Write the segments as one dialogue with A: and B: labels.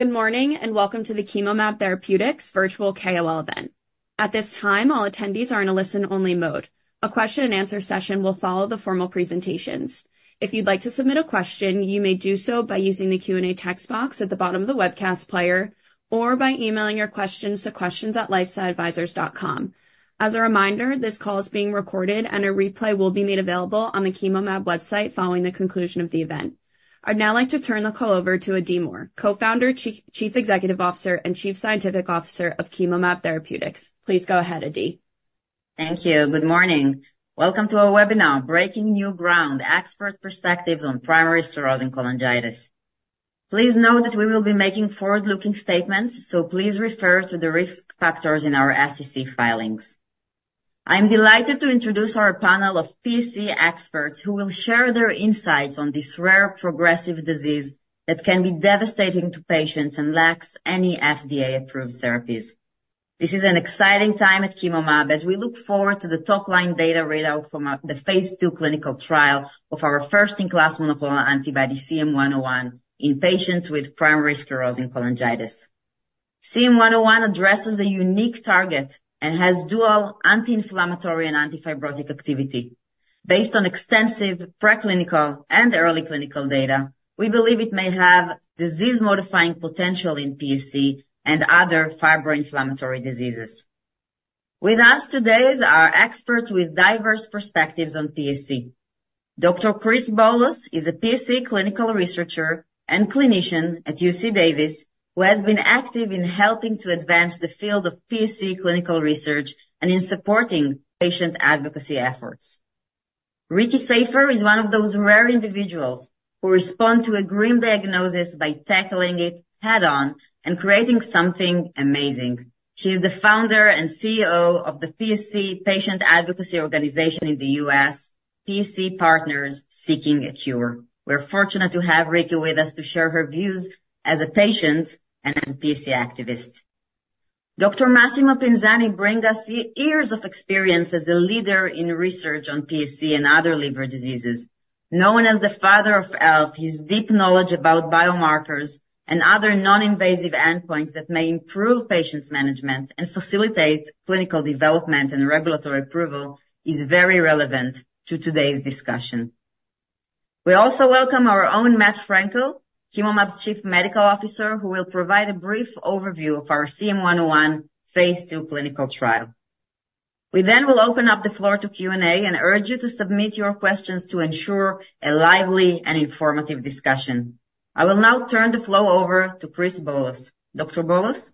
A: Good morning, and welcome to the Chemomab Therapeutics Virtual KOL event. At this time, all attendees are in a listen-only mode. A question and answer session will follow the formal presentations. If you'd like to submit a question, you may do so by using the Q&A text box at the bottom of the webcast player or by emailing your questions to questions@lifesciadvisors.com. As a reminder, this call is being recorded, and a replay will be made available on the Chemomab website following the conclusion of the event. I'd now like to turn the call over to Adi Mor, Co-founder, Chief Executive Officer, and Chief Scientific Officer of Chemomab Therapeutics. Please go ahead, Adi.
B: Thank you. Good morning. Welcome to our webinar, Breaking New Ground: Expert Perspectives on Primary Sclerosing Cholangitis. Please note that we will be making forward-looking statements, so please refer to the risk factors in our SEC filings. I'm delighted to introduce our panel of PSC experts, who will share their insights on this rare progressive disease that can be devastating to patients and lacks any FDA-approved therapies. This is an exciting time at Chemomab as we look forward to the top-line data readout from the phase II clinical trial of our first-in-class monoclonal antibody, CM-101, in patients with primary sclerosing cholangitis. CM-101 addresses a unique target and has dual anti-inflammatory and anti-fibrotic activity. Based on extensive preclinical and early clinical data, we believe it may have disease-modifying potential in PSC and other fibroinflammatory diseases. With us today is our experts with diverse perspectives on PSC. Dr. Christopher Bowlus is a PSC clinical researcher and clinician at UC Davis, who has been active in helping to advance the field of PSC clinical research and in supporting patient advocacy efforts. Ricky Safer is one of those rare individuals who respond to a grim diagnosis by tackling it head-on and creating something amazing. She's the founder and CEO of the PSC patient advocacy organization in the U.S., PSC Partners Seeking a Cure. We're fortunate to have Ricky with us to share her views as a patient and as a PSC activist. Dr. Massimo Pinzani bring us years of experience as a leader in research on PSC and other liver diseases. Known as the father of ELF, his deep knowledge about biomarkers and other non-invasive endpoints that may improve patients' management and facilitate clinical development and regulatory approval, is very relevant to today's discussion. We also welcome our own Matt Frankel, Chemomab's Chief Medical Officer, who will provide a brief overview of our CM-101 phase II clinical trial. We then will open up the floor to Q&A and urge you to submit your questions to ensure a lively and informative discussion. I will now turn the floor over to Chris Bowlus. Dr. Bowlus?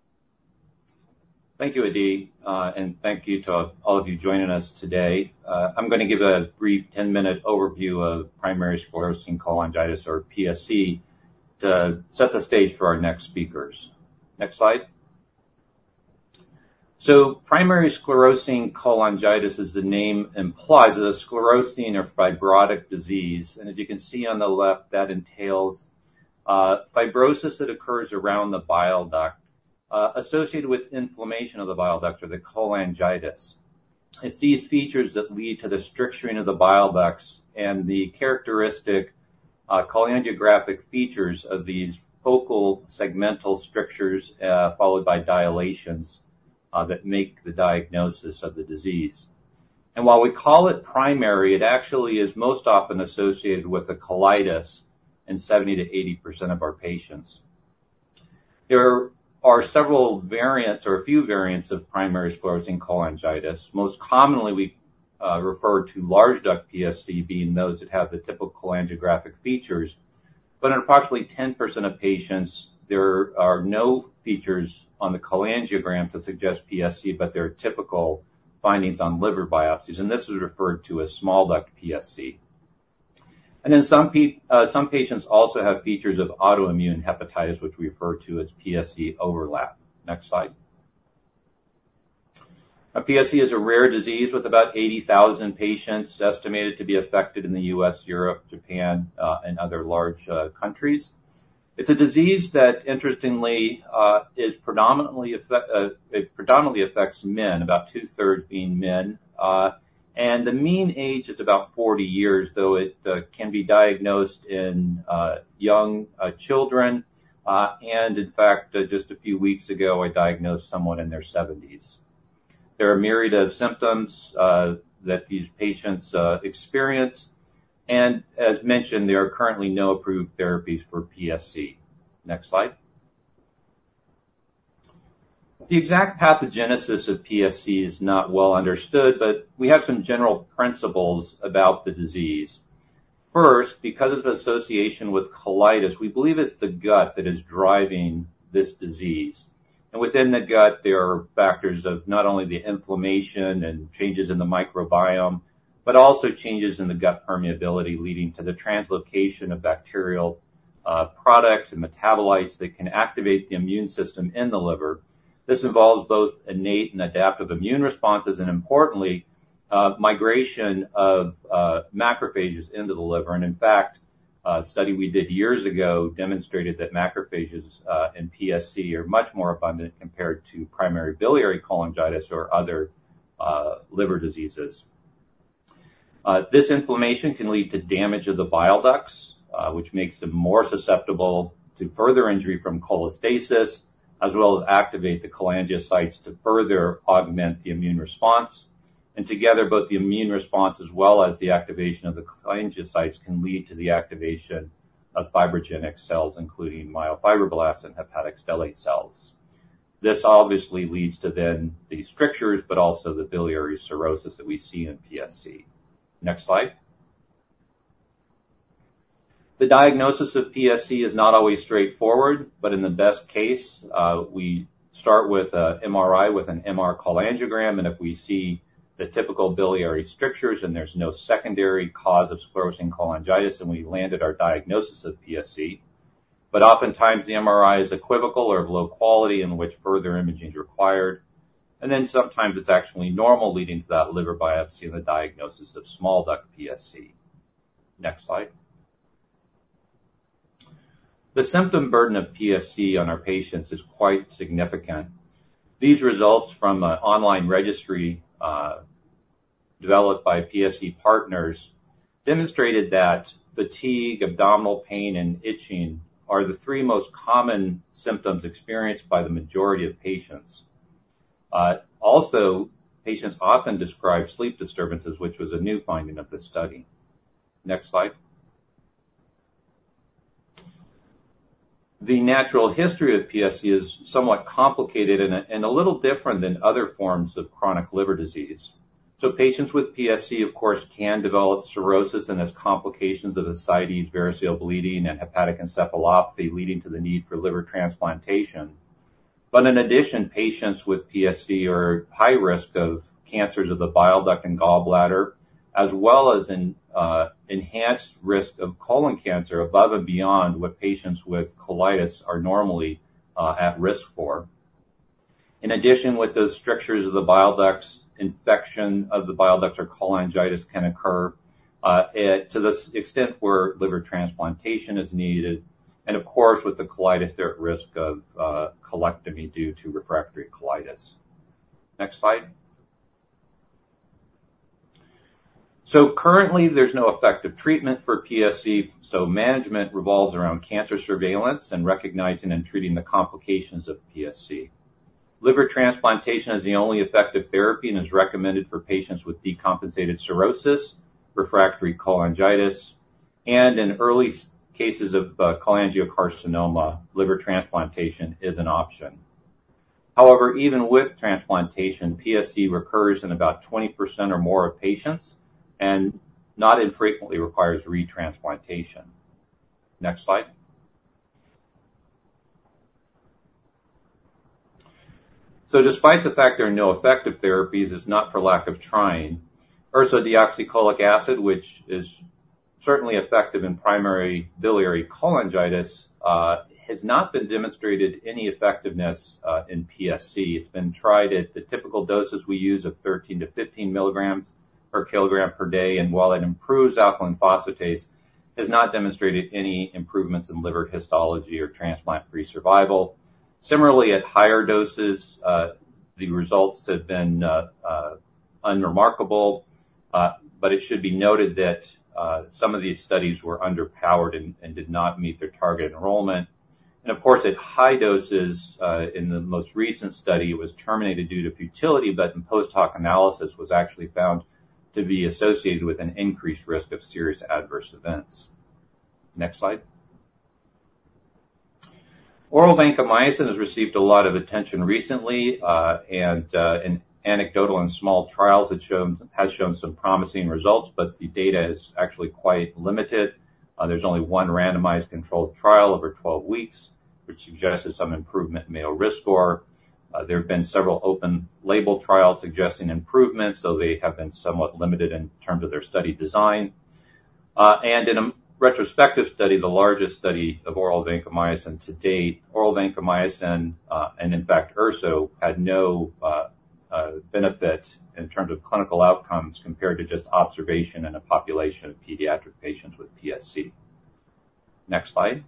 C: Thank you, Adi. And thank you to all of you joining us today. I'm gonna give a brief 10-minute overview of primary sclerosing cholangitis or PSC to set the stage for our next speakers. Next slide. So primary sclerosing cholangitis, as the name implies, is a sclerosing or fibrotic disease, and as you can see on the left, that entails fibrosis that occurs around the bile duct associated with inflammation of the bile duct or the cholangitis. It's these features that lead to the stricturing of the bile ducts and the characteristic cholangiographic features of these focal segmental strictures followed by dilations that make the diagnosis of the disease. And while we call it primary, it actually is most often associated with a colitis in 70%-80% of our patients. There are several variants or a few variants of primary sclerosing cholangitis. Most commonly, we refer to large duct PSC, being those that have the typical cholangiographic features. But in approximately 10% of patients, there are no features on the cholangiogram that suggest PSC, but there are typical findings on liver biopsies, and this is referred to as small duct PSC. And then some patients also have features of autoimmune hepatitis, which we refer to as PSC overlap. Next slide. Now, PSC is a rare disease with about 80,000 patients estimated to be affected in the U.S., Europe, Japan, and other large countries. It's a disease that interestingly is predominantly affects men, about two-thirds being men, and the mean age is about 40 years, though it can be diagnosed in young children. And in fact, just a few weeks ago, I diagnosed someone in their seventies. There are a myriad of symptoms that these patients experience and as mentioned, there are currently no approved therapies for PSC. Next slide. The exact pathogenesis of PSC is not well understood, but we have some general principles about the disease. First, because of the association with colitis, we believe it's the gut that is driving this disease. And within the gut, there are factors of not only the inflammation and changes in the microbiome, but also changes in the gut permeability, leading to the translocation of bacterial products and metabolites that can activate the immune system in the liver. This involves both innate and adaptive immune responses and importantly, migration of macrophages into the liver. In fact, a study we did years ago demonstrated that macrophages in PSC are much more abundant compared to primary biliary cholangitis or other liver diseases. This inflammation can lead to damage of the bile ducts, which makes them more susceptible to further injury from cholestasis, as well as activate the cholangiocytes to further augment the immune response. Together, both the immune response as well as the activation of the cholangiocytes, can lead to the activation of fibrogenic cells, including myofibroblasts and hepatic stellate cells. This obviously leads to then the strictures, but also the biliary cirrhosis that we see in PSC. Next slide. The diagnosis of PSC is not always straightforward, but in the best case, we start with MRI with an MR cholangiogram, and if we see the typical biliary strictures, and there's no secondary cause of sclerosing cholangitis, then we've landed our diagnosis of PSC. But oftentimes, the MRI is equivocal or of low quality, in which further imaging is required, and then sometimes it's actually normal, leading to that liver biopsy and the diagnosis of small duct PSC. Next slide. The symptom burden of PSC on our patients is quite significant. These results from an online registry developed by PSC Partners demonstrated that fatigue, abdominal pain, and itching are the three most common symptoms experienced by the majority of patients. Also, patients often describe sleep disturbances, which was a new finding of this study. Next slide. The natural history of PSC is somewhat complicated and a little different than other forms of chronic liver disease. So patients with PSC, of course, can develop cirrhosis and as complications of ascites, variceal bleeding, and hepatic encephalopathy, leading to the need for liver transplantation. But in addition, patients with PSC are at high risk of cancers of the bile duct and gallbladder, as well as an enhanced risk of colon cancer above and beyond what patients with colitis are normally at risk for. In addition, with those strictures of the bile ducts, infection of the bile ducts or cholangitis can occur to the extent where liver transplantation is needed. And of course, with the colitis, they're at risk of colectomy due to refractory colitis. Next slide. So currently, there's no effective treatment for PSC, so management revolves around cancer surveillance and recognizing and treating the complications of PSC. Liver transplantation is the only effective therapy and is recommended for patients with decompensated cirrhosis, refractory cholangitis, and in early cases of cholangiocarcinoma, liver transplantation is an option. However, even with transplantation, PSC recurs in about 20% or more of patients, and not infrequently requires retransplantation. Next slide. So despite the fact there are no effective therapies, it's not for lack of trying. Ursodeoxycholic acid, which is certainly effective in primary biliary cholangitis, has not been demonstrated any effectiveness in PSC. It's been tried at the typical doses we use of 13-15 milligrams per kilogram per day, and while it improves alkaline phosphatase, has not demonstrated any improvements in liver histology or transplant-free survival. Similarly, at higher doses, the results have been unremarkable, but it should be noted that some of these studies were underpowered and did not meet their target enrollment. Of course, at high doses, in the most recent study, it was terminated due to futility, but in post-hoc analysis, was actually found to be associated with an increased risk of serious adverse events. Next slide. Oral vancomycin has received a lot of attention recently, and in anecdotal and small trials, it has shown some promising results, but the data is actually quite limited. There's only one randomized controlled trial over 12 weeks, which suggested some improvement in Mayo Risk Score. There have been several open-label trials suggesting improvements, though they have been somewhat limited in terms of their study design. And in a retrospective study, the largest study of oral vancomycin to date, oral vancomycin, and in fact, urso, had no benefit in terms of clinical outcomes compared to just observation in a population of pediatric patients with PSC. Next slide.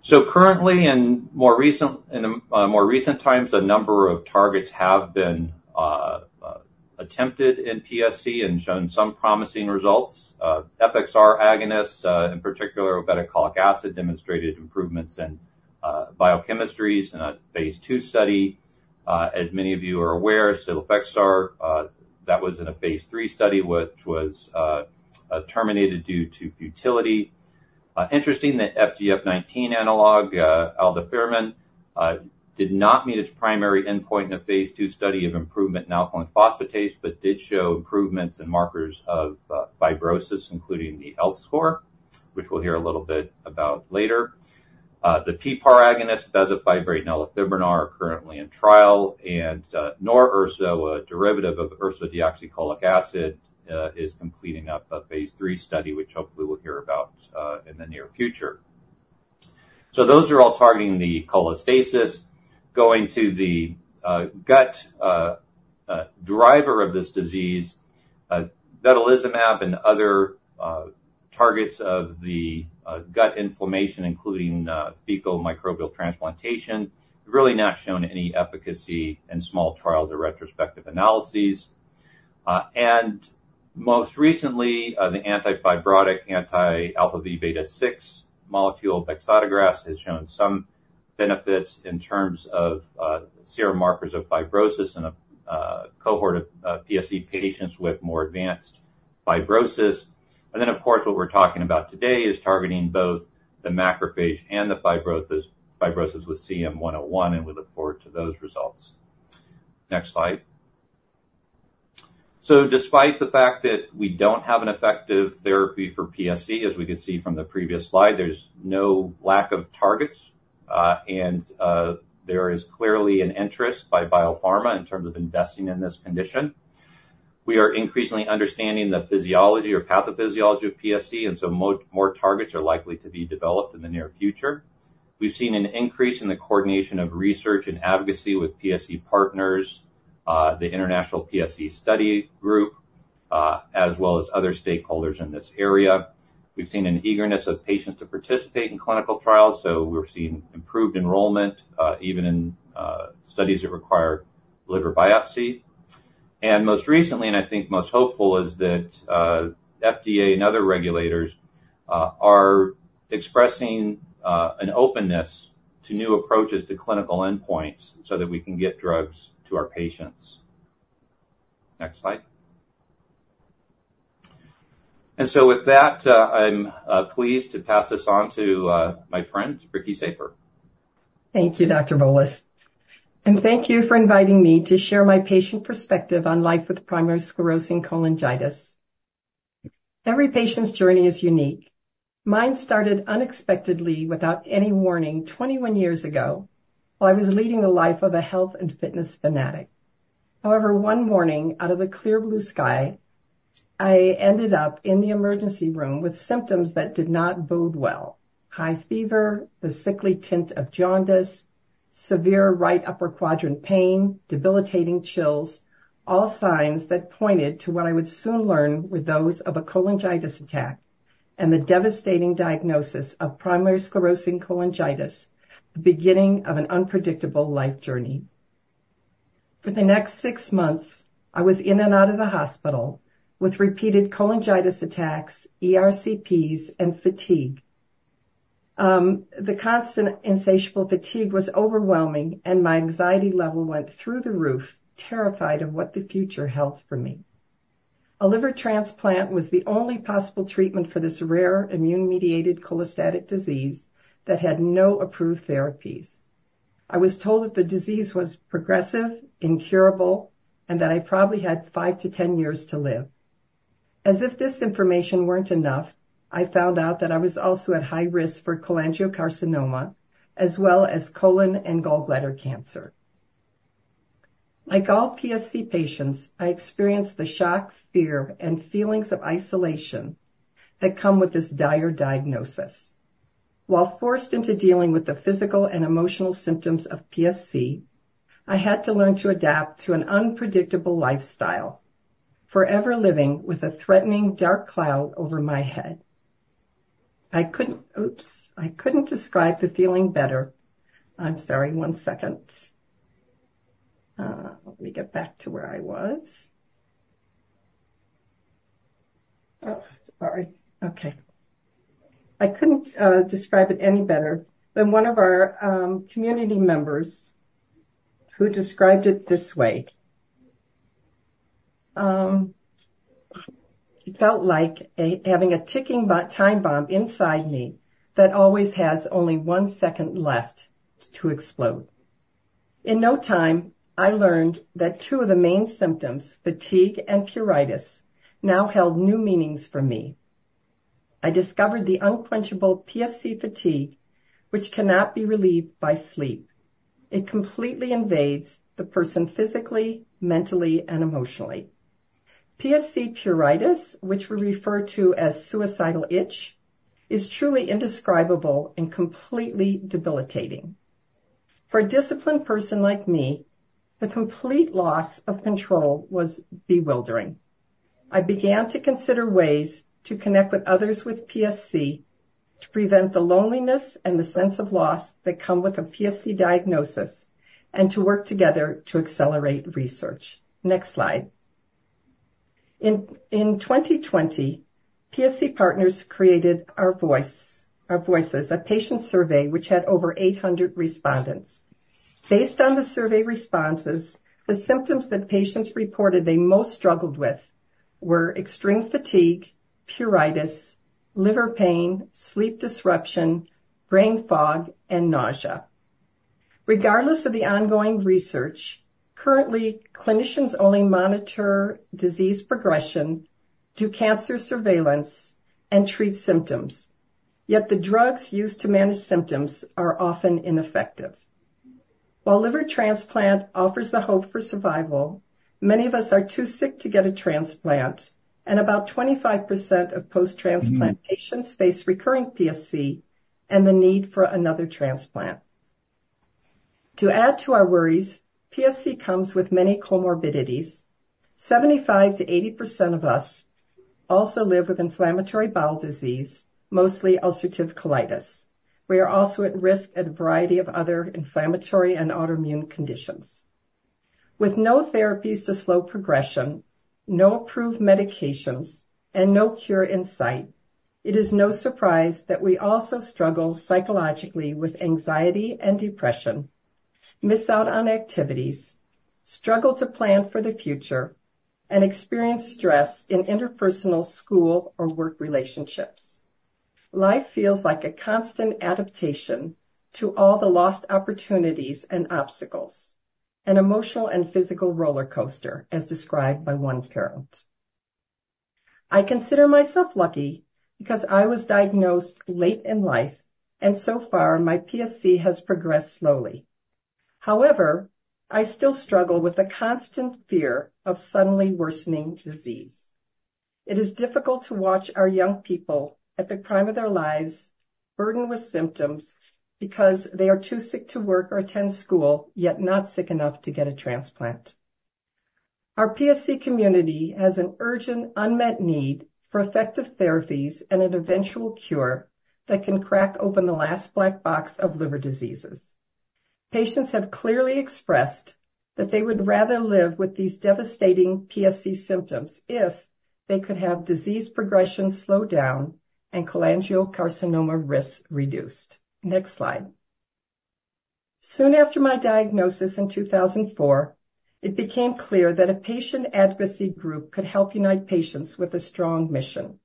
C: So currently, in more recent times, a number of targets have been attempted in PSC and shown some promising results. FXR agonists, in particular, obeticholic acid, demonstrated improvements in biochemistries in a phase II study. As many of you are aware, cilofexor, that was in a phase III study, which was terminated due to futility. Interesting, the FGF19 analog, aldafermin, did not meet its primary endpoint in a phase II study of improvement in alkaline phosphatase, but did show improvements in markers of fibrosis, including the ELF score, which we'll hear a little bit about later. The PPAR agonist, bezafibrate and elafibranor, are currently in trial, and norUDCA, a derivative of ursodeoxycholic acid, is completing up a phase III study, which hopefully we'll hear about in the near future. So those are all targeting the cholestasis. Going to the gut driver of this disease, vedolizumab and other targets of the gut inflammation, including fecal microbial transplantation, really not shown any efficacy in small trials or retrospective analyses. And most recently, the anti-fibrotic, anti-alpha v beta 6 molecule, bexotegrast, has shown some benefits in terms of serum markers of fibrosis in a cohort of PSC patients with more advanced fibrosis. And then, of course, what we're talking about today is targeting both the macrophage and the fibrosis with CM-101, and we look forward to those results. Next slide. So despite the fact that we don't have an effective therapy for PSC, as we can see from the previous slide, there's no lack of targets. And there is clearly an interest by biopharma in terms of investing in this condition. We are increasingly understanding the physiology or pathophysiology of PSC, and so more targets are likely to be developed in the near future. We've seen an increase in the coordination of research and advocacy with PSC Partners, the International PSC Study Group, as well as other stakeholders in this area. We've seen an eagerness of patients to participate in clinical trials, so we've seen improved enrollment, even in studies that require liver biopsy. And most recently, and I think most hopeful, is that, FDA and other regulators, are expressing, an openness to new approaches to clinical endpoints so that we can get drugs to our patients. Next slide. And so with that, I'm pleased to pass this on to my friend, Ricky Safer.
D: Thank you, Dr. Bowlus, and thank you for inviting me to share my patient perspective on life with primary sclerosing cholangitis. Every patient's journey is unique. Mine started unexpectedly without any warning, 21 years ago, while I was leading a life of a health and fitness fanatic. However, one morning, out of the clear blue sky, I ended up in the emergency room with symptoms that did not bode well. High fever, the sickly tint of jaundice, severe right upper quadrant pain, debilitating chills, all signs that pointed to what I would soon learn were those of a cholangitis attack and the devastating diagnosis of primary sclerosing cholangitis, the beginning of an unpredictable life journey. For the next six months, I was in and out of the hospital with repeated cholangitis attacks, ERCPs, and fatigue. The constant insatiable fatigue was overwhelming, and my anxiety level went through the roof, terrified of what the future held for me. A liver transplant was the only possible treatment for this rare immune-mediated cholestatic disease that had no approved therapies. I was told that the disease was progressive, incurable, and that I probably had five-10 years to live. As if this information weren't enough, I found out that I was also at high risk for cholangiocarcinoma as well as colon and gallbladder cancer. Like all PSC patients, I experienced the shock, fear, and feelings of isolation that come with this dire diagnosis. While forced into dealing with the physical and emotional symptoms of PSC, I had to learn to adapt to an unpredictable lifestyle, forever living with a threatening, dark cloud over my head. I couldn't describe the feeling better. I'm sorry, one second. Let me get back to where I was. I couldn't describe it any better than one of our community members who described it this way. "It felt like having a ticking time bomb inside me that always has only one second left to explode." In no time, I learned that two of the main symptoms, fatigue and pruritus, now held new meanings for me. I discovered the unquenchable PSC fatigue, which cannot be relieved by sleep. It completely invades the person physically, mentally, and emotionally. PSC pruritus, which we refer to as suicidal itch, is truly indescribable and completely debilitating. For a disciplined person like me, the complete loss of control was bewildering. I began to consider ways to connect with others with PSC to prevent the loneliness and the sense of loss that come with a PSC diagnosis and to work together to accelerate research. Next slide. In 2020, PSC Partners created Our Voice, Our Voices, a patient survey which had over 800 respondents. Based on the survey responses, the symptoms that patients reported they most struggled with were extreme fatigue, pruritus, liver pain, sleep disruption, brain fog, and nausea. Regardless of the ongoing research, currently, clinicians only monitor disease progression, do cancer surveillance, and treat symptoms, yet the drugs used to manage symptoms are often ineffective. While liver transplant offers the hope for survival, many of us are too sick to get a transplant, and about 25% of post-transplant patients face recurring PSC and the need for another transplant. To add to our worries, PSC comes with many comorbidities. 75%-80% of us also live with inflammatory bowel disease, mostly ulcerative colitis. We are also at risk at a variety of other inflammatory and autoimmune conditions. With no therapies to slow progression, no approved medications, and no cure in sight, it is no surprise that we also struggle psychologically with anxiety and depression, miss out on activities, struggle to plan for the future, and experience stress in interpersonal, school, or work relationships. Life feels like a constant adaptation to all the lost opportunities and obstacles, an emotional and physical rollercoaster, as described by one parent. I consider myself lucky because I was diagnosed late in life, and so far, my PSC has progressed slowly. However, I still struggle with the constant fear of suddenly worsening disease. It is difficult to watch our young people at the prime of their lives, burdened with symptoms because they are too sick to work or attend school, yet not sick enough to get a transplant. Our PSC community has an urgent, unmet need for effective therapies and an eventual cure that can crack open the last black box of liver diseases. Patients have clearly expressed that they would rather live with these devastating PSC symptoms if they could have disease progression slow down and cholangiocarcinoma risks reduced. Next slide. Soon after my diagnosis in 2004, it became clear that a patient advocacy group could help unite patients with a strong mission.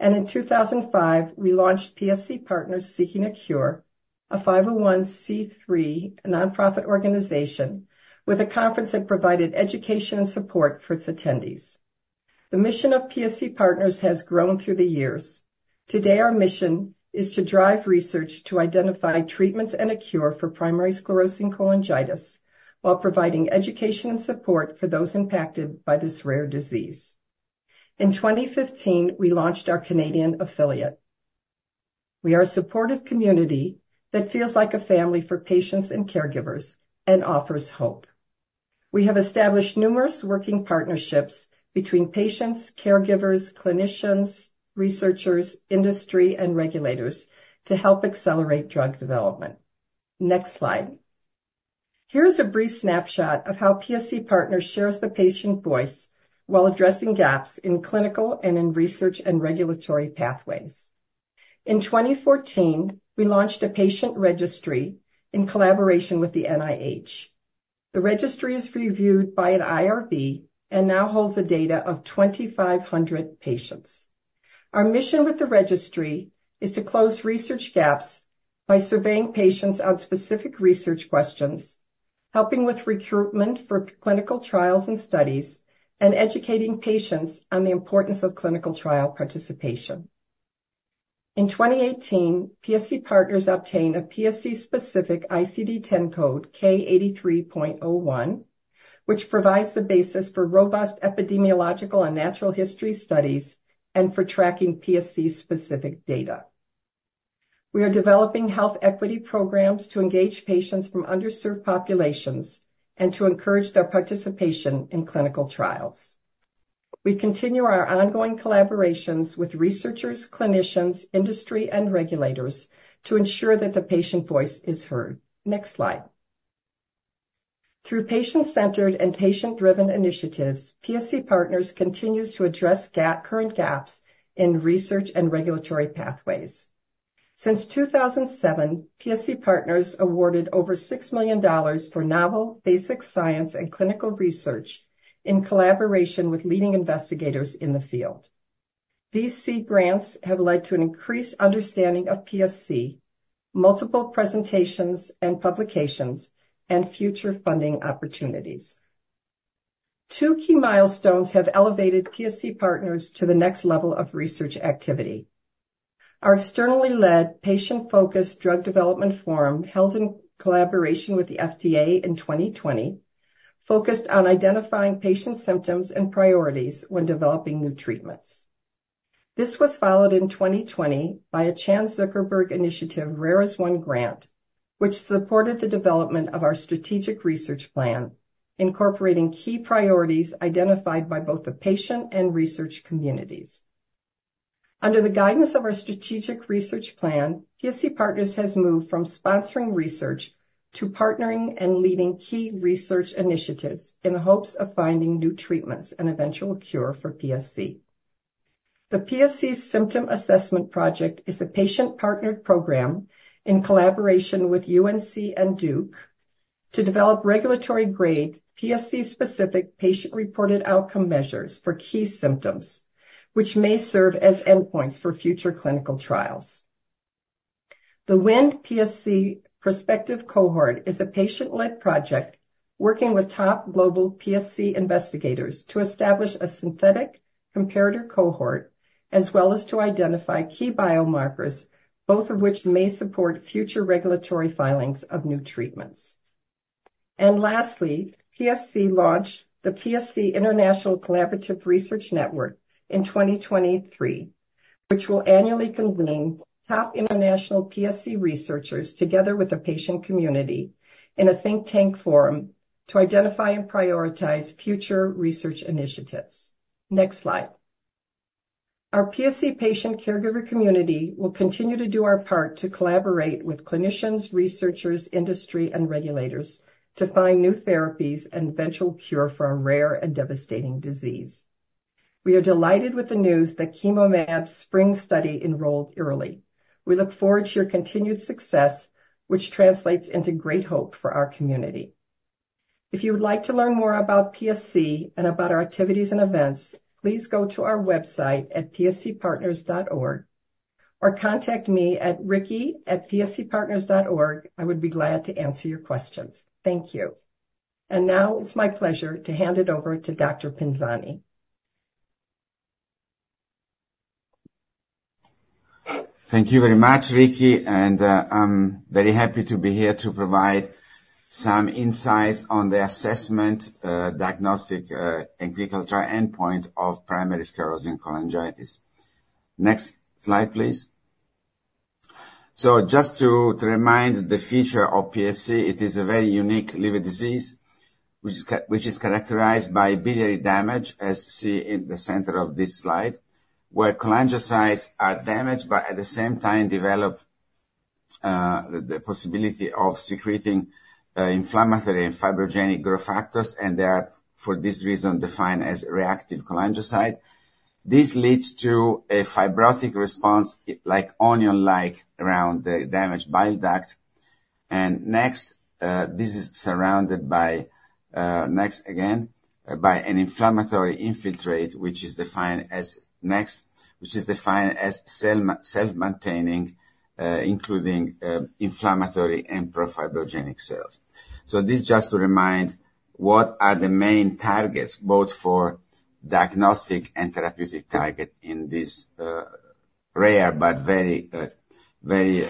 D: In 2005, we launched PSC Partners Seeking a Cure, a 501(c)(3) nonprofit organization with a conference that provided education and support for its attendees. The mission of PSC Partners has grown through the years. Today, our mission is to drive research to identify treatments and a cure for primary sclerosing cholangitis, while providing education and support for those impacted by this rare disease. In 2015, we launched our Canadian affiliate. We are a supportive community that feels like a family for patients and caregivers and offers hope. We have established numerous working partnerships between patients, caregivers, clinicians, researchers, industry, and regulators to help accelerate drug development. Next slide. Here's a brief snapshot of how PSC Partners shares the patient voice while addressing gaps in clinical and in research and regulatory pathways. In 2014, we launched a patient registry in collaboration with the NIH. The registry is reviewed by an IRB and now holds the data of 2,500 patients. Our mission with the registry is to close research gaps by surveying patients on specific research questions, helping with recruitment for clinical trials and studies, and educating patients on the importance of clinical trial participation. In 2018, PSC Partners obtained a PSC-specific ICD-10 code K83.01, which provides the basis for robust epidemiological and natural history studies and for tracking PSC-specific data. We are developing health equity programs to engage patients from underserved populations and to encourage their participation in clinical trials. We continue our ongoing collaborations with researchers, clinicians, industry, and regulators to ensure that the patient voice is heard. Next slide. Through patient-centered and patient-driven initiatives, PSC Partners continues to address gap, current gaps in research and regulatory pathways. Since 2007, PSC Partners awarded over $6 million for novel basic science and clinical research in collaboration with leading investigators in the field. These seed grants have led to an increased understanding of PSC, multiple presentations and publications, and future funding opportunities. Two key milestones have elevated PSC Partners to the next level of research activity. Our externally led, patient-focused drug development forum, held in collaboration with the FDA in 2020, focused on identifying patient symptoms and priorities when developing new treatments. This was followed in 2020 by a Chan Zuckerberg Initiative Rare As One grant, which supported the development of our strategic research plan, incorporating key priorities identified by both the patient and research communities. Under the guidance of our strategic research plan, PSC Partners has moved from sponsoring research to partnering and leading key research initiatives in the hopes of finding new treatments and eventual cure for PSC. The PSC Symptom Assessment Project is a patient-partnered program in collaboration with UNC and Duke, to develop regulatory-grade, PSC-specific, patient-reported outcome measures for key symptoms, which may serve as endpoints for future clinical trials. The WIND PSC Prospective Cohort is a patient-led project working with top global PSC investigators to establish a synthetic comparator cohort, as well as to identify key biomarkers, both of which may support future regulatory filings of new treatments. And lastly, PSC launched the PSC International Collaborative Research Network in 2023, which will annually convene top international PSC researchers, together with the patient community, in a think tank forum to identify and prioritize future research initiatives. Next slide. Our PSC patient caregiver community will continue to do our part to collaborate with clinicians, researchers, industry, and regulators to find new therapies and eventual cure for our rare and devastating disease. We are delighted with the news that Chemomab SPRING study enrolled early. We look forward to your continued success, which translates into great hope for our community. If you would like to learn more about PSC and about our activities and events, please go to our website at pscpartners.org, or contact me at ricky@pscpartners.org. I would be glad to answer your questions. Thank you. And now it's my pleasure to hand it over to Dr. Pinzani.
E: Thank you very much, Ricky, and I'm very happy to be here to provide some insights on the assessment, diagnostic, and clinical trial endpoint of primary sclerosing cholangitis. Next slide, please. So just to remind the feature of PSC, it is a very unique liver disease, which is characterized by biliary damage, as seen in the center of this slide, where cholangiocytes are damaged, but at the same time, develop the possibility of secreting inflammatory and fibrogenic growth factors, and they are, for this reason, defined as reactive cholangiocyte. This leads to a fibrotic response, like onion-like, around the damaged bile duct. And next, this is surrounded by next again by an inflammatory infiltrate, which is defined as next, which is defined as self-maintaining, including inflammatory and pro-fibrogenic cells. So this just to remind what are the main targets, both for diagnostic and therapeutic target in this, rare but very, very,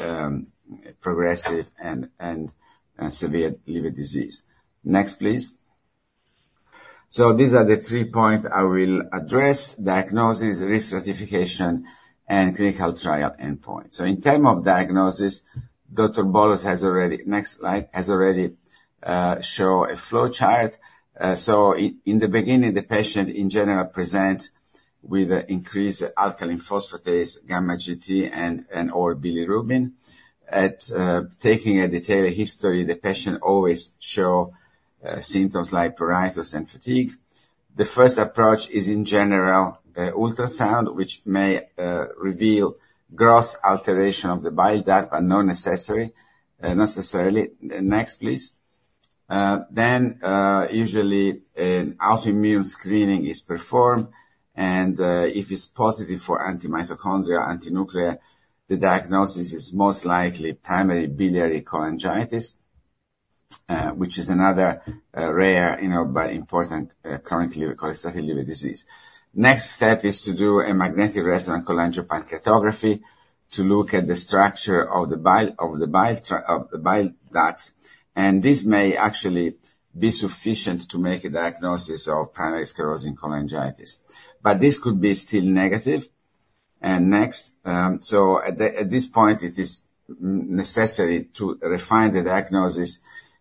E: progressive and, and, severe liver disease. Next, please. So these are the three points I will address: diagnosis, risk stratification, and clinical trial endpoint. So in terms of diagnosis, Dr. Bowlus has already, next slide, has already, show a flowchart. So in, in the beginning, the patient, in general, present with an increased alkaline phosphatase, gamma GT, and/or bilirubin. At taking a detailed history, the patient always show, symptoms like pruritus and fatigue. The first approach is, in general, ultrasound, which may reveal gross alteration of the bile duct, but not necessarily. Next, please. Then, usually an autoimmune screening is performed, and if it's positive for antimitochondrial, antinuclear, the diagnosis is most likely primary biliary cholangitis, which is another rare, you know, but important chronic liver cholestatic liver disease. Next step is to do a magnetic resonance cholangiopancreatography to look at the structure of the bile of the bile duct. And this may actually be sufficient to make a diagnosis of primary sclerosing cholangitis, but this could be still negative. And next, so at this point, it is necessary to refine the diagnosis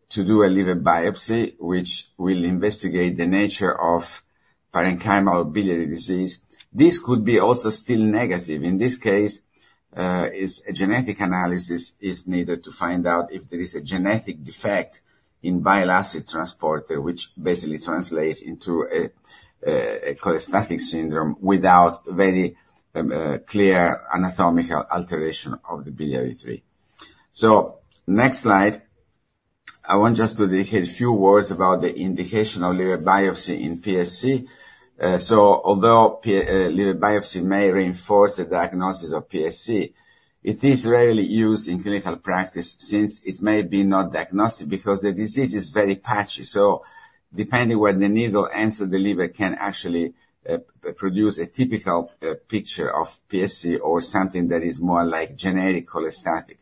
E: to do a liver biopsy, which will investigate the nature of parenchymal biliary disease. This could be also still negative. In this case, is a genetic analysis needed to find out if there is a genetic defect in bile acid transporter, which basically translates into a cholestatic syndrome without very clear anatomical alteration of the biliary tree. So next slide, I want just to dedicate a few words about the indication of liver biopsy in PSC. Although PSC liver biopsy may reinforce the diagnosis of PSC, it is rarely used in clinical practice since it may be not diagnostic, because the disease is very patchy. So depending where the needle enter the liver can actually produce a typical picture of PSC or something that is more like genetic cholestatic.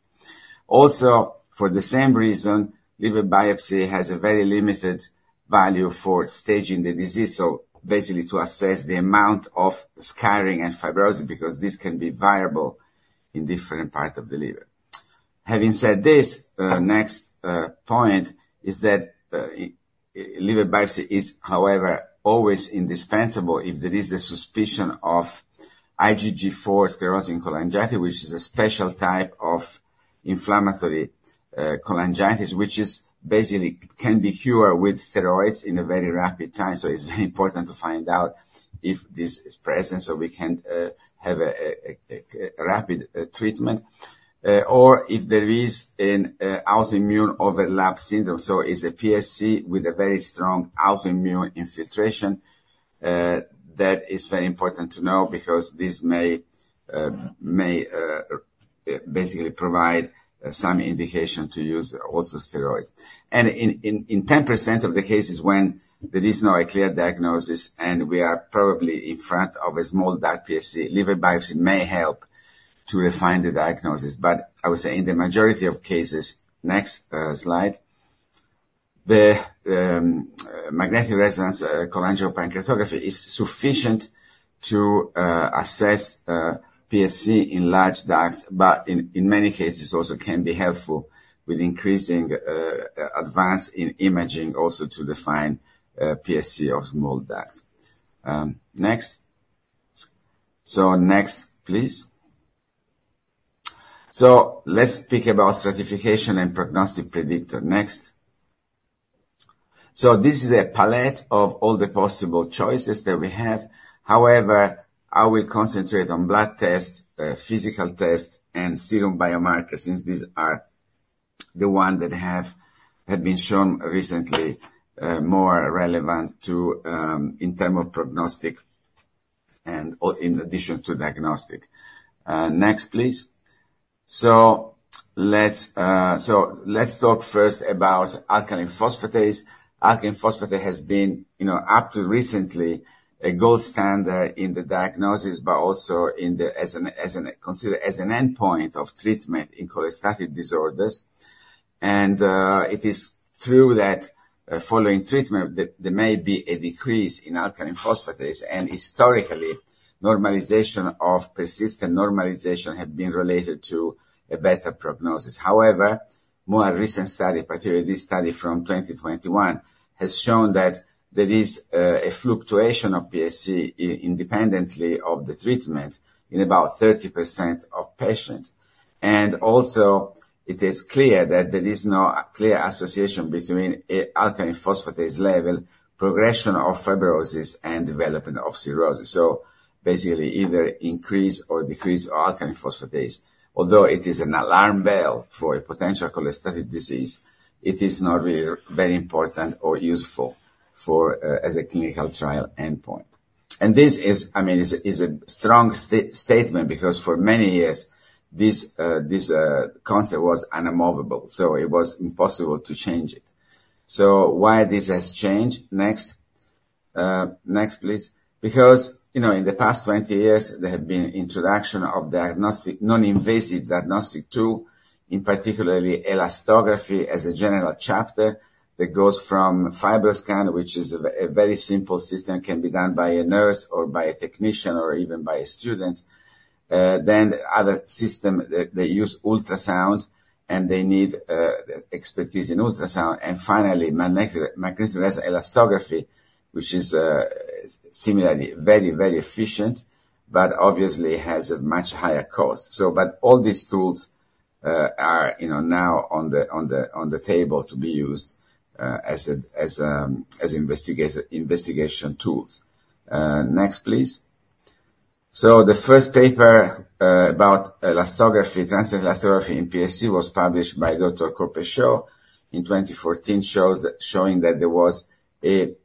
E: Also, for the same reason, liver biopsy has a very limited value for staging the disease, so basically to assess the amount of scarring and fibrosis, because this can be variable in different parts of the liver. Having said this, next point is that liver biopsy is, however, always indispensable if there is a suspicion of IgG4 sclerosing cholangitis, which is a special type of inflammatory cholangitis, which is basically can be cured with steroids in a very rapid time. So it's very important to find out if this is present, so we can have a rapid treatment or if there is an autoimmune overlap syndrome, so is a PSC with a very strong autoimmune infiltration. That is very important to know, because this may basically provide some indication to use also steroids. In 10% of the cases when there is not a clear diagnosis, and we are probably in front of a small duct PSC, liver biopsy may help to refine the diagnosis, but I would say in the majority of cases. Next slide. The magnetic resonance cholangiopancreatography is sufficient to assess PSC in large ducts, but in many cases, also can be helpful with increasing advance in imaging, also to define PSC of small ducts. Next. So next, please. So let's think about stratification and prognostic predictor. Next. So this is a palette of all the possible choices that we have. However, I will concentrate on blood tests, physical tests, and serum biomarkers, since these are the one that have, had been shown recently, more relevant to, in term of prognostic and, or in addition to diagnostic. Next, please. So let's, so let's talk first about alkaline phosphatase. Alkaline phosphatase has been, you know, up to recently, a gold standard in the diagnosis, but also in the as an, as an, considered as an endpoint of treatment in cholestatic disorders. And, it is true that following treatment, there, there may be a decrease in alkaline phosphatase, and historically, normalization of, persistent normalization had been related to a better prognosis. However, more recent study, particularly this study from 2021, has shown that there is, a fluctuation of PSC independently of the treatment in about 30% of patients. It is also clear that there is no clear association between alkaline phosphatase level, progression of fibrosis and development of cirrhosis. So basically, either increase or decrease alkaline phosphatase, although it is an alarm bell for a potential cholestatic disease, it is not really very important or useful for as a clinical trial endpoint. And this is, I mean, a strong statement, because for many years, this concept was unmovable, so it was impossible to change it. So why this has changed? Next, next, please. Because, you know, in the past 20 years, there have been introduction of diagnostic, non-invasive diagnostic tool, in particular elastography as a general chapter, that goes from FibroScan, which is a very simple system, can be done by a nurse or by a technician or even by a student. Then, other systems they use ultrasound, and they need expertise in ultrasound. And finally, magnetic resonance elastography, which is similarly very, very efficient, but obviously has a much higher cost. But all these tools, you know, are now on the table to be used as investigational tools. Next, please. So the first paper about elastography, transient elastography in PSC, was published by Dr. Corpechot in 2014, showing that there was a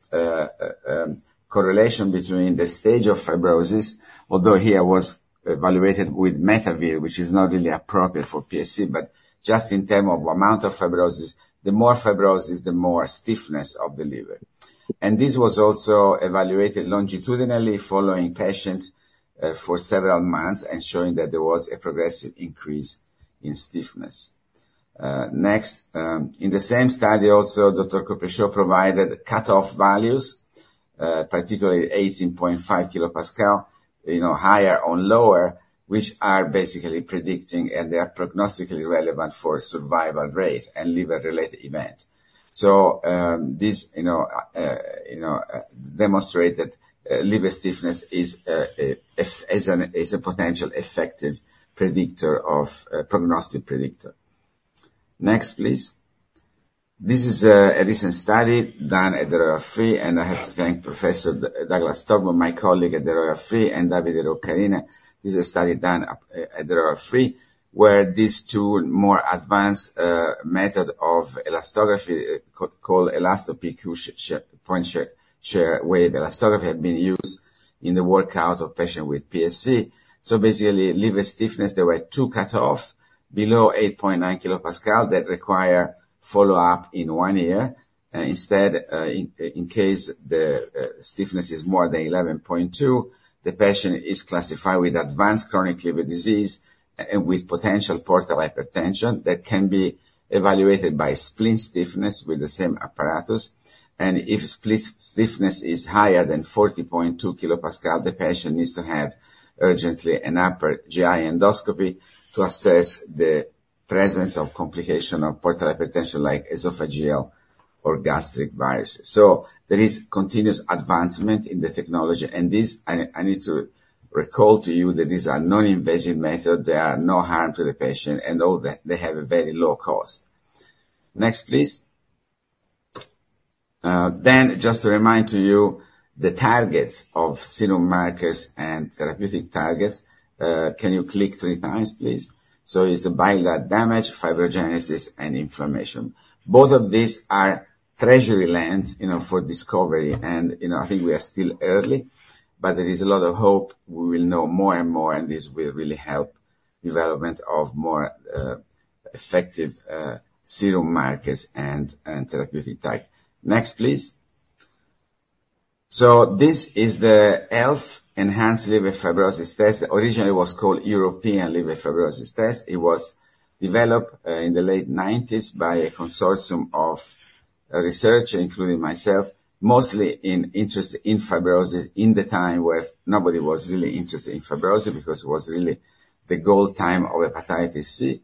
E: correlation between the stage of fibrosis, although it was evaluated here with METAVIR, which is not really appropriate for PSC, but just in terms of amount of fibrosis, the more fibrosis, the more stiffness of the liver. This was also evaluated longitudinally, following patients for several months, and showing that there was a progressive increase in stiffness. Next, in the same study, also, Dr. Corpechot provided cutoff values, particularly 18.5 kPa, you know, higher or lower, which are basically predicting, and they are prognostically relevant for survival rate and liver-related event. So, this, you know, demonstrate that liver stiffness is a potential effective predictor of prognostic predictor. Next, please. This is a recent study done at the Royal Free, and I have to thank Professor Douglas Thorburn, my colleague at the Royal Free, and Davide Roccarina. This is a study done at the Royal Free, where these two more advanced method of elastography, called ElastPQ point shear wave, where the elastography had been used in the workup of patient with PSC. So basically, liver stiffness, there were two cutoff, below 8.9 kPa, that require follow-up in one year. Instead, in case the stiffness is more than 11.2, the patient is classified with advanced chronic liver disease, and with potential portal hypertension, that can be evaluated by spleen stiffness with the same apparatus. And if spleen stiffness is higher than 40.2 kPa, the patient needs to have urgently an upper GI endoscopy to assess the presence of complication of portal hypertension, like esophageal or gastric varices. So there is continuous advancement in the technology, and this, I need to recall to you, that these are non-invasive method, they are no harm to the patient, and all the, they have a very low cost. Next, please. Then just to remind to you, the targets of serum markers and therapeutic targets. Can you click three times, please? So it's the bile duct damage, fibrogenesis, and inflammation. Both of these are treasure land, you know, for discovery, and, you know, I think we are still early, but there is a lot of hope. We will know more and more, and this will really help development of more, effective, serum markers and, and therapeutic type. Next, please. So this is the ELF, Enhanced Liver Fibrosis test. Originally, it was called European Liver Fibrosis Test. It was developed in the late 1990s by a consortium of research, including myself, mostly in interest in fibrosis in the time where nobody was really interested in fibrosis, because it was really the gold time of hepatitis C.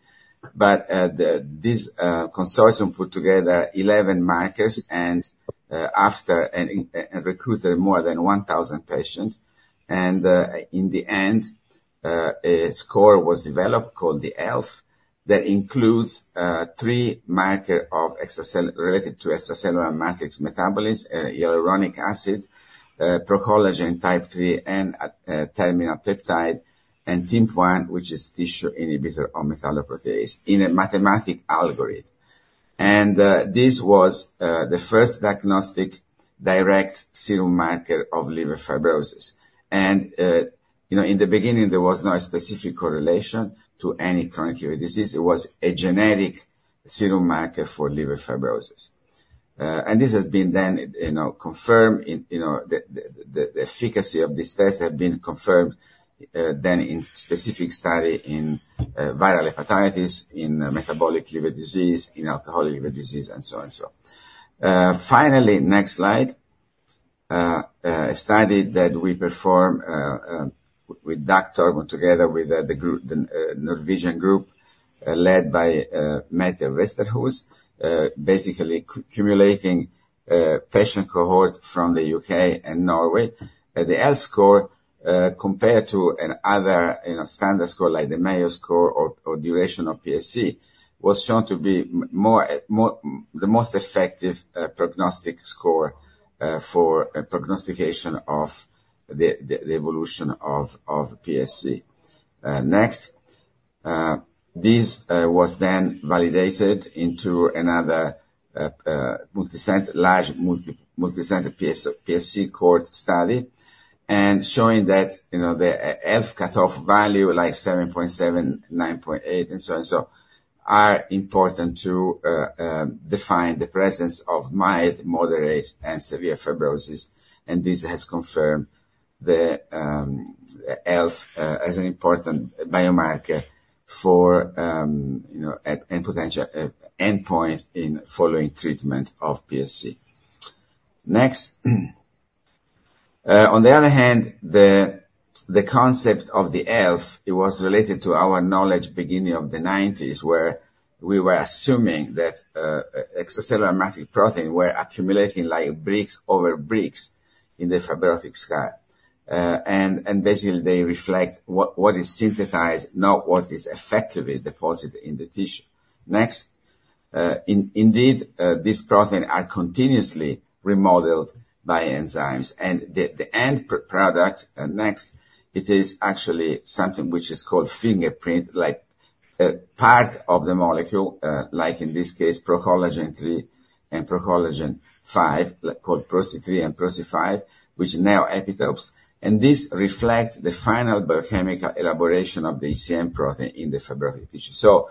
E: But this consortium put together 11 markers, and recruited more than 1,000 patients. And in the end, a score was developed, called the ELF, that includes three marker of extracellular related to extracellular matrix metabolism, hyaluronic acid, procollagen type III, and terminal peptide, and TIMP-1, which is tissue inhibitor of metalloproteinase, in a mathematical algorithm. And this was the first diagnostic direct serum marker of liver fibrosis. And you know, in the beginning, there was no specific correlation to any chronic disease. It was a generic serum marker for liver fibrosis. And this has been then, you know, confirmed in, you know, the efficacy of this test have been confirmed, then in specific study in viral hepatitis, in metabolic liver disease, in alcoholic liver disease, and so on and so on. Finally, next slide. A study that we performed with data, together with the group, the Norwegian group, led by Mette Vesterhus. Basically accumulating patient cohort from the UK and Norway. The ELF score, compared to another, you know, standard score, like the Mayo score or duration of PSC, was shown to be more, the most effective prognostic score for a prognostication of the evolution of PSC. Next. This was then validated into another multicenter, large multicenter PSC cohort study, and showing that, you know, the ELF cutoff value, like 7.7, 9.8, and so on and so, are important to define the presence of mild, moderate, and severe fibrosis. And this has confirmed the ELF as an important biomarker for, you know, at and potential endpoint in following treatment of PSC. Next. On the other hand, the concept of the ELF, it was related to our knowledge beginning of the nineties, where we were assuming that extracellular matrix protein were accumulating like bricks over bricks in the fibrotic scar. And basically, they reflect what is synthesized, not what is effectively deposited in the tissue. Next. Indeed, this protein are continuously remodeled by enzymes, and the end product, it is actually something which is called fingerprint, like, part of the molecule, like in this case, procollagen-III and procollagen-V, like, called PRO-C3 and PRO-C5, which neo-epitopes. And this reflect the final biochemical elaboration of the ECM protein in the fibrotic tissue. So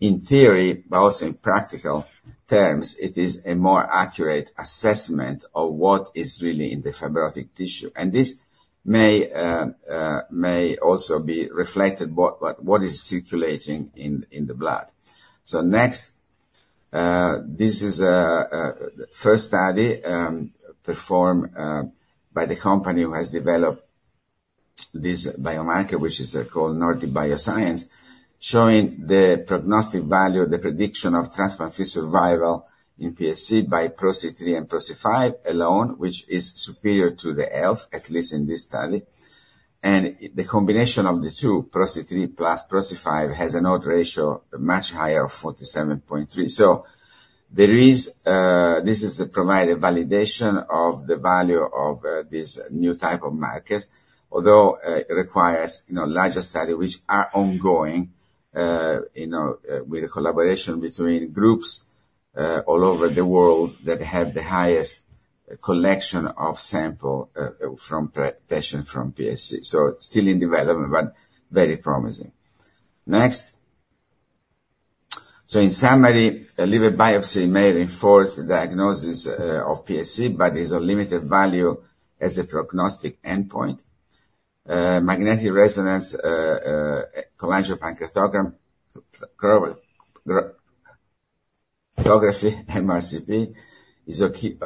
E: in theory, but also in practical terms, it is a more accurate assessment of what is really in the fibrotic tissue. And this may also be reflected what is circulating in the blood. So next, this is the first study performed by the company who has developed this biomarker, which is called Nordic Bioscience, showing the prognostic value of the prediction of transplant-free survival in PSC by PRO-C3 and PRO-C5 alone, which is superior to the ELF, at least in this study. And the combination of the two, PRO-C3 plus PRO-C5, has an odds ratio much higher, of 47.3. So there is this is to provide a validation of the value of this new type of marker, although it requires, you know, larger study, which are ongoing, you know, with the collaboration between groups all over the world, that have the highest collection of sample from patients from PSC. So it's still in development, but very promising. Next. So in summary, a liver biopsy may reinforce the diagnosis of PSC, but is of limited value as a prognostic endpoint. Magnetic resonance cholangiopancreatography, MRCP, is of key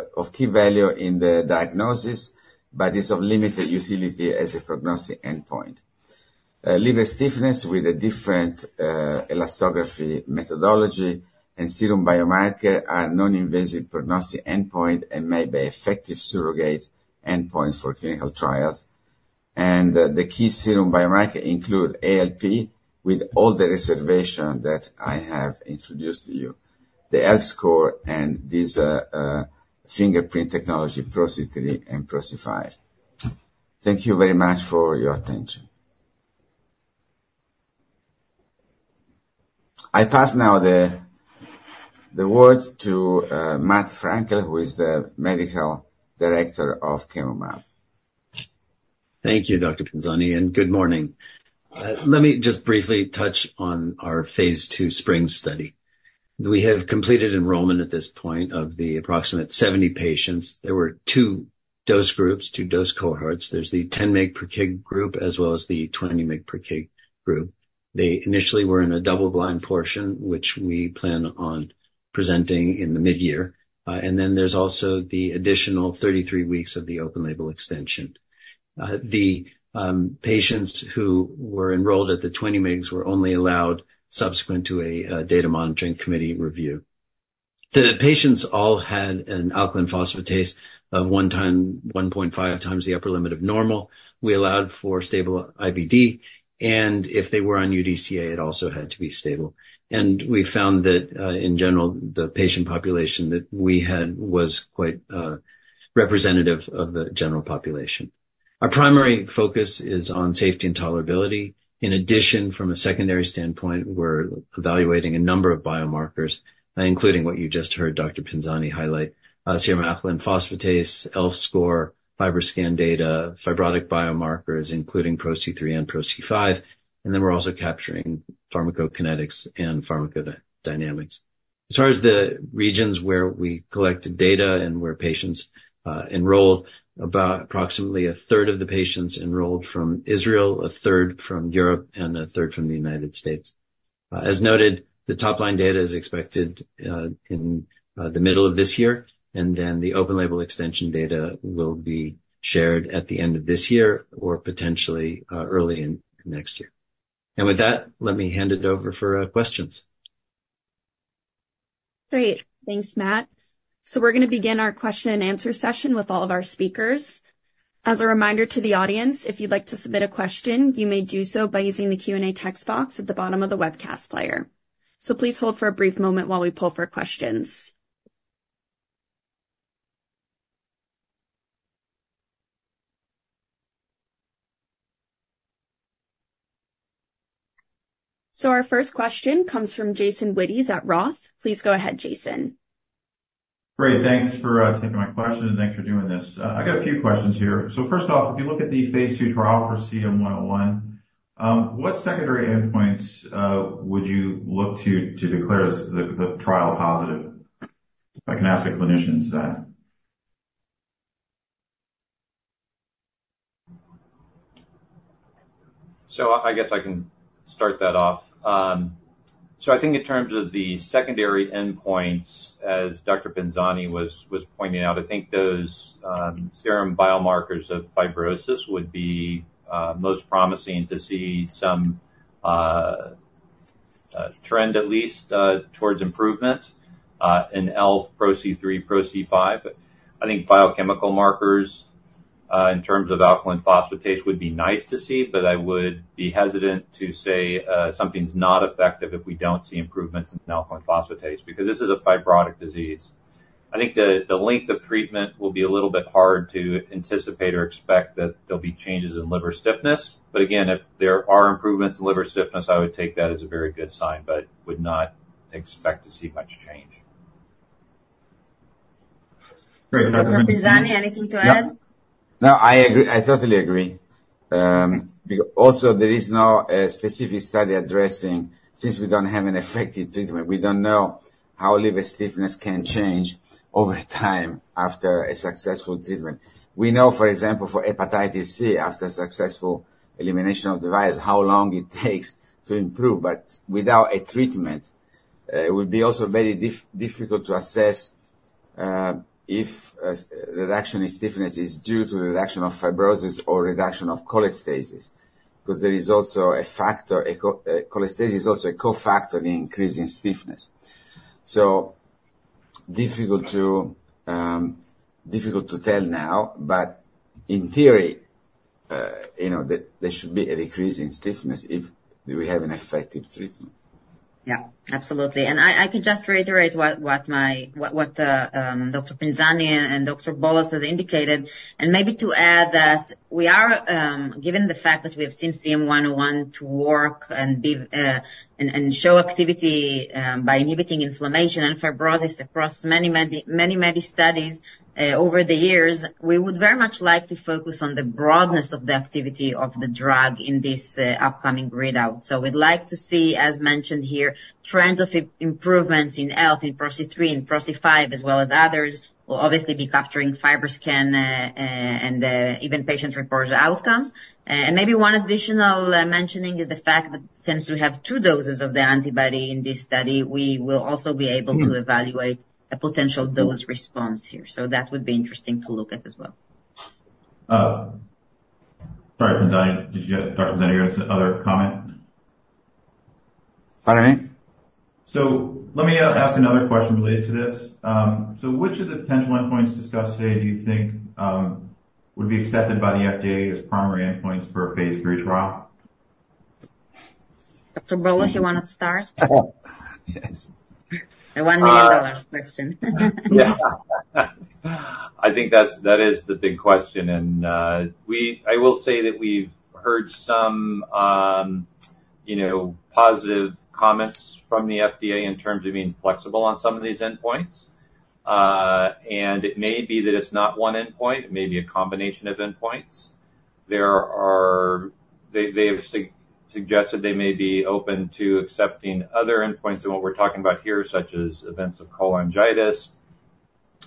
E: value in the diagnosis, but is of limited utility as a prognostic endpoint. Liver stiffness with a different elastography methodology and serum biomarker are non-invasive prognostic endpoint and may be effective surrogate endpoints for clinical trials. And the key serum biomarker include ALP, with all the reservation that I have introduced to you. The ELF score and this fingerprint technology, PRO-C3 and PRO-C5. Thank you very much for your attention. I pass now the word to Matt Frankel, who is the Medical Director of Chemomab.
F: Thank you, Dr. Pinzani, and good morning. Let me just briefly touch on our phase II SPRING study. We have completed enrollment at this point of the approximate 70 patients. There were two dose groups, two dose cohorts. There's the 10 mg per kg group as well as the 20 mg per kg group. They initially were in a double-blind portion, which we plan on presenting in the mid-year. And then there's also the additional 33 weeks of the open-label extension. The patients who were enrolled at the 20 mg were only allowed subsequent to a data monitoring committee review. The patients all had an alkaline phosphatase of 1-1.5x the upper limit of normal. We allowed for stable IBD, and if they were on UDCA, it also had to be stable. We found that, in general, the patient population that we had was quite, representative of the general population. Our primary focus is on safety and tolerability. In addition, from a secondary standpoint, we're evaluating a number of biomarkers, including what you just heard Dr. Pinzani highlight, serum alkaline phosphatase, ELF score, FibroScan data, fibrotic biomarkers, including PRO-C3 and PRO-C5, and then we're also capturing pharmacokinetics and pharmacodynamics. As far as the regions where we collected data and where patients enrolled, about approximately a third of the patients enrolled from Israel, a third from Europe, and a third from the United States. As noted, the top line data is expected, in the middle of this year, and then the open label extension data will be shared at the end of this year or potentially early in next year. With that, let me hand it over for questions.
A: Great. Thanks, Matt. So we're gonna begin our question and answer session with all of our speakers. As a reminder to the audience, if you'd like to submit a question, you may do so by using the Q&A text box at the bottom of the webcast player. So please hold for a brief moment while we pull for questions. So our first question comes from Jason Wittes at Roth. Please go ahead, Jason.
G: Great. Thanks for taking my question, and thanks for doing this. I got a few questions here. So first off, if you look at the phase II trial for CM-101, what secondary endpoints would you look to, to declare as the, the trial positive? If I can ask the clinicians that.
C: So I guess I can start that off. So I think in terms of the secondary endpoints, as Dr. Pinzani was pointing out, I think those serum biomarkers of fibrosis would be most promising to see some trend at least towards improvement in ELF, PRO-C3, PRO-C5. I think biochemical markers in terms of alkaline phosphatase would be nice to see, but I would be hesitant to say something's not effective if we don't see improvements in alkaline phosphatase, because this is a fibrotic disease. I think the length of treatment will be a little bit hard to anticipate or expect that there'll be changes in liver stiffness. But again, if there are improvements in liver stiffness, I would take that as a very good sign, but would not expect to see much change.
G: Great.
B: Dr. Pinzani, anything to add?
E: No, I agree. I totally agree. Because also there is no specific study addressing, since we don't have an effective treatment, we don't know how liver stiffness can change over time after a successful treatment. We know, for example, for hepatitis C, after successful elimination of the virus, how long it takes to improve, but without a treatment, it would be also very difficult to assess if a reduction in stiffness is due to the reduction of fibrosis or reduction of cholestasis, because there is also a factor, cholestasis is also a co-factor in increasing stiffness. So difficult to tell now, but in theory, you know, there should be a decrease in stiffness if we have an effective treatment.
B: Yeah, absolutely. And I could just reiterate what Dr. Pinzani and Dr. Bowlus has indicated, and maybe to add that we are, given the fact that we have seen CM-101 to work and be and show activity by inhibiting inflammation and fibrosis across many studies over the years, we would very much like to focus on the broadness of the activity of the drug in this upcoming readout. So we'd like to see, as mentioned here, trends of improvements in health, in PRO-C3 and PRO-C5, as well as others. We'll obviously be capturing FibroScan and even patient-reported outcomes. Maybe one additional mentioning is the fact that since we have two doses of the antibody in this study, we will also be able to evaluate a potential dose response here. So that would be interesting to look at as well.
G: Sorry, Pinzani, did you have... Dr. Pinzani, you had some other comment?
E: Pardoning?
G: So let me ask another question related to this. So which of the potential endpoints discussed today do you think would be accepted by the FDA as primary endpoints for a phase III trial?
B: Dr. Bowlus, you want to start?
C: Yes.
B: The $1 million question.
C: Yeah. I think that's, that is the big question, and we—I will say that we've heard some, you know, positive comments from the FDA in terms of being flexible on some of these endpoints. And it may be that it's not one endpoint, it may be a combination of endpoints. They, they have suggested they may be open to accepting other endpoints than what we're talking about here, such as events of cholangitis.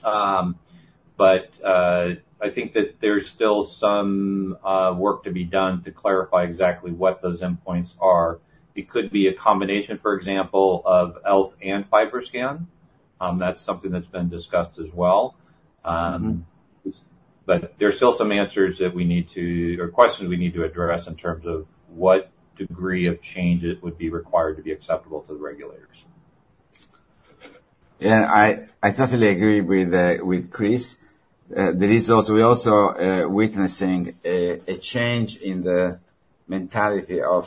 C: But I think that there's still some work to be done to clarify exactly what those endpoints are. It could be a combination, for example, of ELF and FibroScan. That's something that's been discussed as well. There's still some answers that we need to, or questions we need to address in terms of what degree of change it would be required to be acceptable to the regulators.
E: Yeah, I totally agree with Chris. There is also, we're also witnessing a change in the mentality of,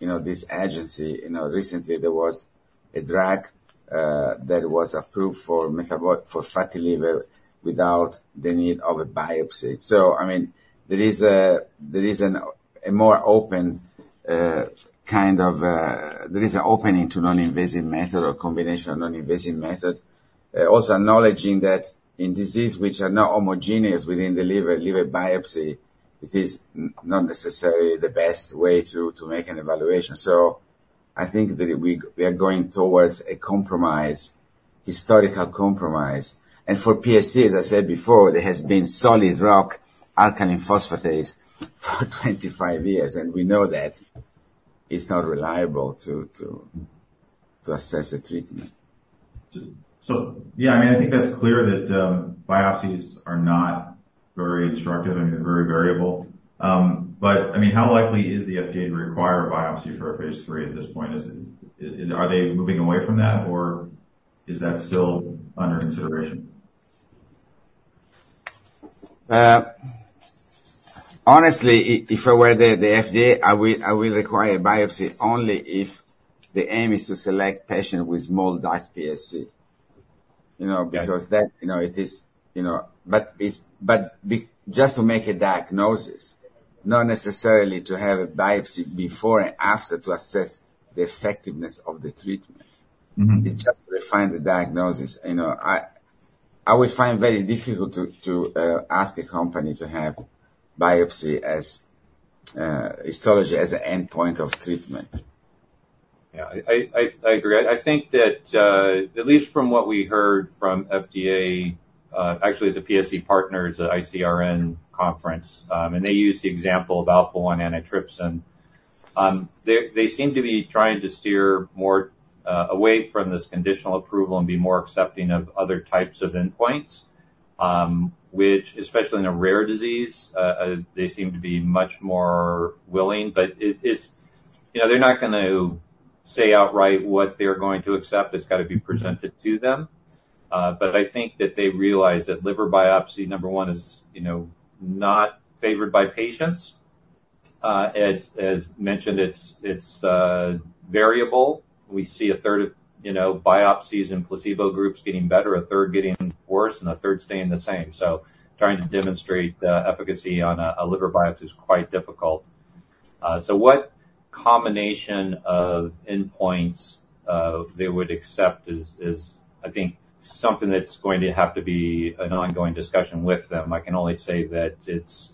E: you know, this agency. You know, recently there was a drug that was approved for metabolic for fatty liver without the need of a biopsy. So, I mean, there is a more open kind of there is an opening to non-invasive method or combination of non-invasive method. Also acknowledging that in disease which are not homogeneous within the liver, liver biopsy is not necessarily the best way to make an evaluation. So I think that we are going towards a compromise, histological compromise. And for PSC, as I said before, there has been surrogate alkaline phosphatase for 25 years, and we know that it's not reliable to assess a treatment.
G: So, yeah, I mean, I think that's clear that biopsies are not very instructive, I mean, they're very variable. But, I mean, how likely is the FDA to require a biopsy for a phase three at this point? Is it... Are they moving away from that, or is that still under consideration?
E: Honestly, if I were the FDA, I will require a biopsy only if the aim is to select patient with small duct PSC, you know.
G: Got it.
E: Because that, you know, it is, you know. But it's just to make a diagnosis, not necessarily to have a biopsy before and after to assess the effectiveness of the treatment.
G: Mm-hmm.
E: It's just to refine the diagnosis. You know, I would find very difficult to ask a company to have biopsy as, histology as an endpoint of treatment.
C: Yeah, I agree. I think that, actually, the PSC Partners at ICRN conference, and they use the example of alpha-1 antitrypsin. They seem to be trying to steer more away from this conditional approval and be more accepting of other types of endpoints, which, especially in a rare disease, they seem to be much more willing. But it, it's... You know, they're not going to say outright what they're going to accept. It's got to be presented to them. But I think that they realize that liver biopsy, number one, is, you know, not favored by patients. As mentioned, it's variable. We see a third of biopsies in placebo groups getting better, a third getting worse, and a third staying the same. So trying to demonstrate efficacy on a liver biopsy is quite difficult. So what combination of endpoints they would accept is, I think, something that's going to have to be an ongoing discussion with them. I can only say that it's...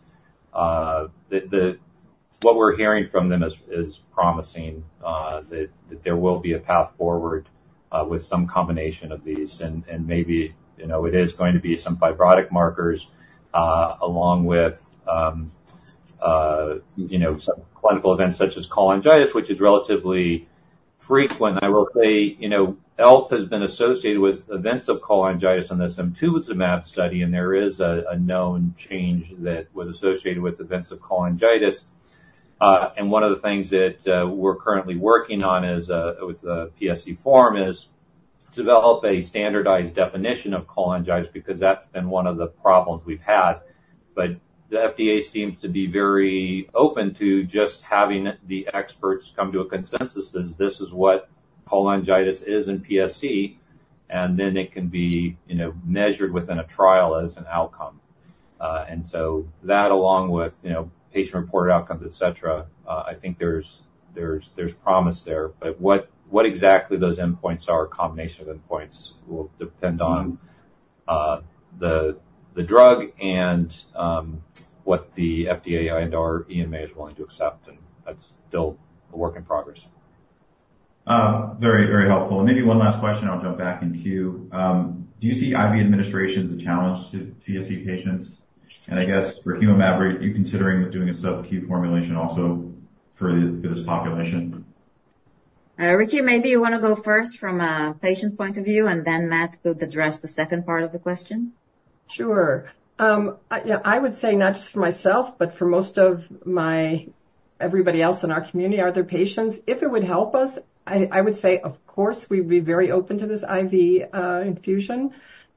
C: What we're hearing from them is promising that there will be a path forward with some combination of these, and maybe, you know, it is going to be some fibrotic markers along with, you know, some clinical events such as cholangitis, which is relatively frequent. I will say, you know, ELF has been associated with events of cholangitis on the simtuzumab study, and there is a known change that was associated with events of cholangitis. And one of the things that we're currently working on is with the PSC forum is develop a standardized definition of cholangitis, because that's been one of the problems we've had. But the FDA seems to be very open to just having the experts come to a consensus that this is what cholangitis is in PSC, and then it can be, you know, measured within a trial as an outcome. And so that, along with, you know, patient-reported outcomes, et cetera, I think there's promise there. But what exactly those endpoints are, combination of endpoints, will depend on.
G: Mm-hmm.
C: the drug and what the FDA and/or EMA is willing to accept, and that's still a work in progress.
G: Very, very helpful. Maybe one last question, and I'll jump back in queue. Do you see IV administration as a challenge to PSC patients? And I guess for CM-101, are you considering doing a sub-Q formulation also for this population?
B: Ricky, maybe you wanna go first from a patient point of view, and then Matt could address the second part of the question.
D: Sure. I yeah, I would say not just for myself, but for most of my-- everybody else in our community, other patients, if it would help us, I would say, of course, we'd be very open to this IV infusion.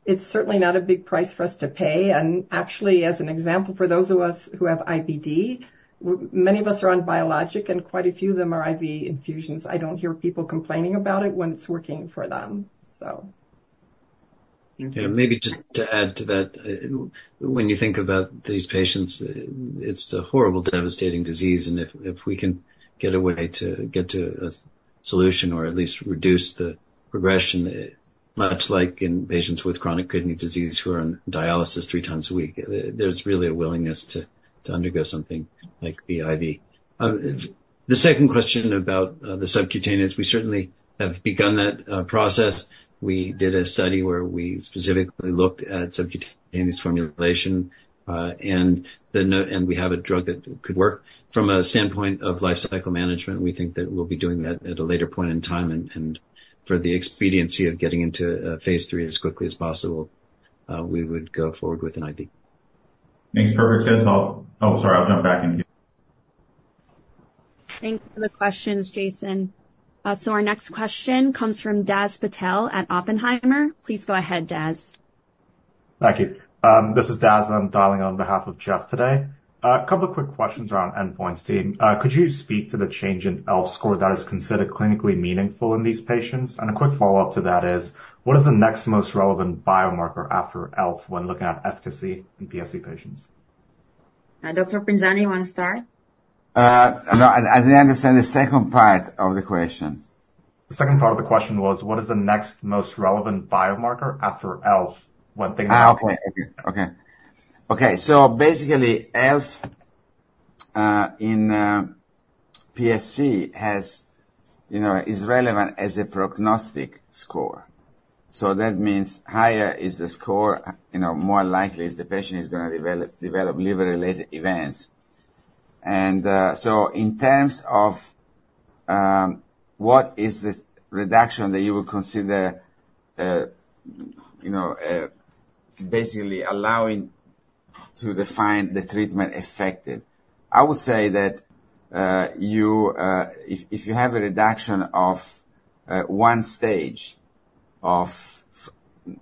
D: It's certainly not a big price for us to pay. And actually, as an example, for those of us who have IBD, many of us are on biologic, and quite a few of them are IV infusions. I don't hear people complaining about it when it's working for them, so.
F: Yeah, maybe just to add to that, when you think about these patients, it's a horrible, devastating disease, and if we can get a way to get to a solution or at least reduce the progression, it. Much like in patients with chronic kidney disease who are on dialysis three times a week. There's really a willingness to undergo something like the IV. The second question about the subcutaneous, we certainly have begun that process. We did a study where we specifically looked at subcutaneous formulation, and we have a drug that could work. From a standpoint of life cycle management, we think that we'll be doing that at a later point in time, and for the expediency of getting into phase three as quickly as possible, we would go forward with an IV.
G: Makes perfect sense. Oh, sorry, I'll jump back in the queue.
A: Thanks for the questions, Jason. So our next question comes from Daz Patel at Oppenheimer. Please go ahead, Daz.
H: Thank you. This is Daz, I'm dialing on behalf of Jeff today. A couple of quick questions around endpoints team. Could you speak to the change in ELF score that is considered clinically meaningful in these patients? And a quick follow-up to that is: What is the next most relevant biomarker after ELF when looking at efficacy in PSC patients?
B: Dr. Pinzani, you want to start?
E: No, I didn't understand the second part of the question.
H: The second part of the question was, what is the next most relevant biomarker after ELF when thinking.
E: Okay, so basically, ELF in PSC, you know, is relevant as a prognostic score. So that means higher is the score, you know, more likely is the patient is gonna develop liver-related events. So in terms of what is this reduction that you would consider, you know, basically allowing to define the treatment effective, I would say that... If you have a reduction of one stage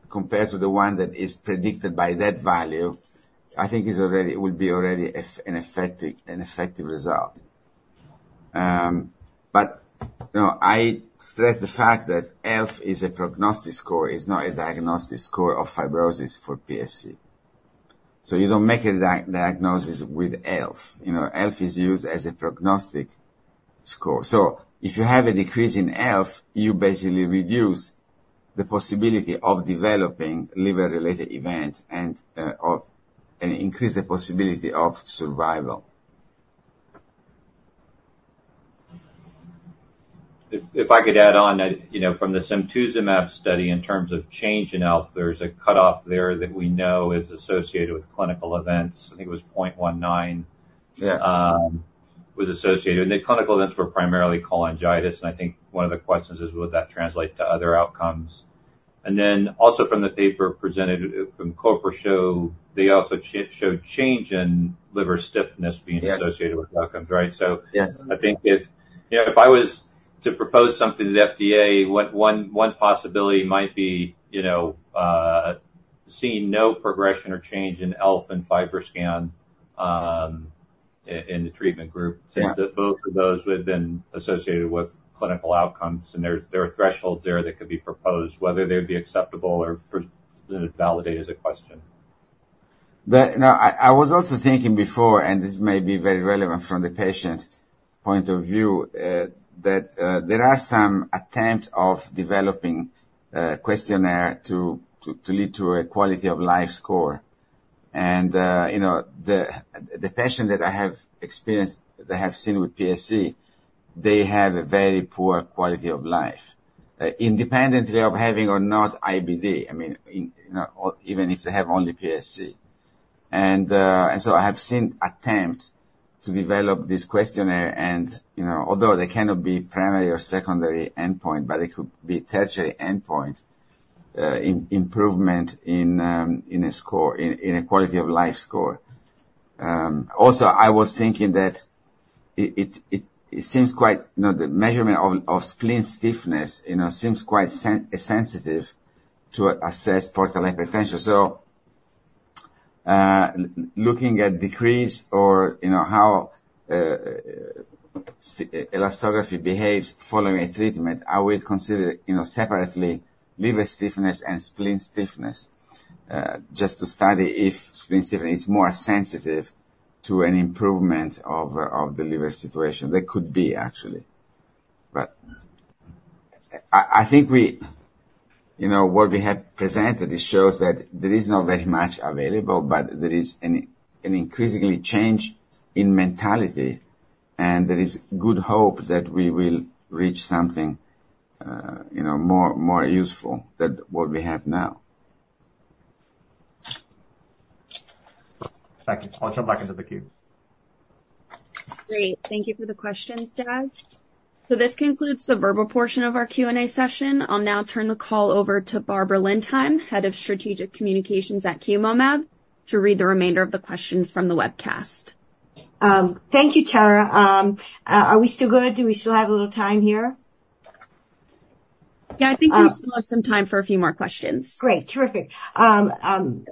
E: compared to the one that is predicted by that value, I think it will be already an effective result. But, you know, I stress the fact that ELF is a prognostic score, it's not a diagnostic score of fibrosis for PSC. So you don't make a diagnosis with ELF. You know, ELF is used as a prognostic score. So if you have a decrease in ELF, you basically reduce the possibility of developing liver-related event and increase the possibility of survival.
F: If I could add on that, you know, from the simtuzumab study, in terms of change in ELF, there's a cutoff there that we know is associated with clinical events. I think it was 0.19.
E: Yeah
F: Was associated. And the clinical events were primarily cholangitis, and I think one of the questions is, would that translate to other outcomes? And then, also from the paper presented from Corpechot, they also showed change in liver stiffness being.
E: Yes
F: Associated with outcomes, right?
E: Yes.
F: So I think if, you know, if I was to propose something to the FDA, one possibility might be, you know, seeing no progression or change in ELF and FibroScan, in the treatment group.
E: Yeah.
F: Since both of those who have been associated with clinical outcomes, and there are thresholds there that could be proposed. Whether they'd be acceptable or to validate is a question.
E: I was also thinking before, and this may be very relevant from the patient point of view, that there are some attempt of developing a questionnaire to lead to a quality of life score. And you know, the patient that I have experienced, that I have seen with PSC, they have a very poor quality of life, independently of having or not IBD, I mean, you know, or even if they have only PSC. And so I have seen attempt to develop this questionnaire and, you know, although they cannot be primary or secondary endpoint, but it could be tertiary endpoint, improvement in a score, in a quality of life score. Also, I was thinking that it seems quite, you know, the measurement of spleen stiffness, you know, seems quite sensitive to assess portal hypertension. So, looking at decrease or, you know, how elastography behaves following a treatment, I will consider, you know, separately, liver stiffness and spleen stiffness, just to study if spleen stiffness is more sensitive to an improvement of the liver situation. They could be, actually. But I think we, you know, what we have presented, it shows that there is not very much available, but there is an increasingly change in mentality, and there is good hope that we will reach something, you know, more useful than what we have now.
H: Thank you. I'll jump back into the queue.
A: Great. Thank you for the questions, Daz. This concludes the verbal portion of our Q&A session. I'll now turn the call over to Barbara Lindheim, Head of Strategic Communications at Chemomab, to read the remainder of the questions from the webcast.
I: Thank you, Tara. Are we still good? Do we still have a little time here?
B: Yeah, I think we still have some time for a few more questions.
I: Great. Terrific.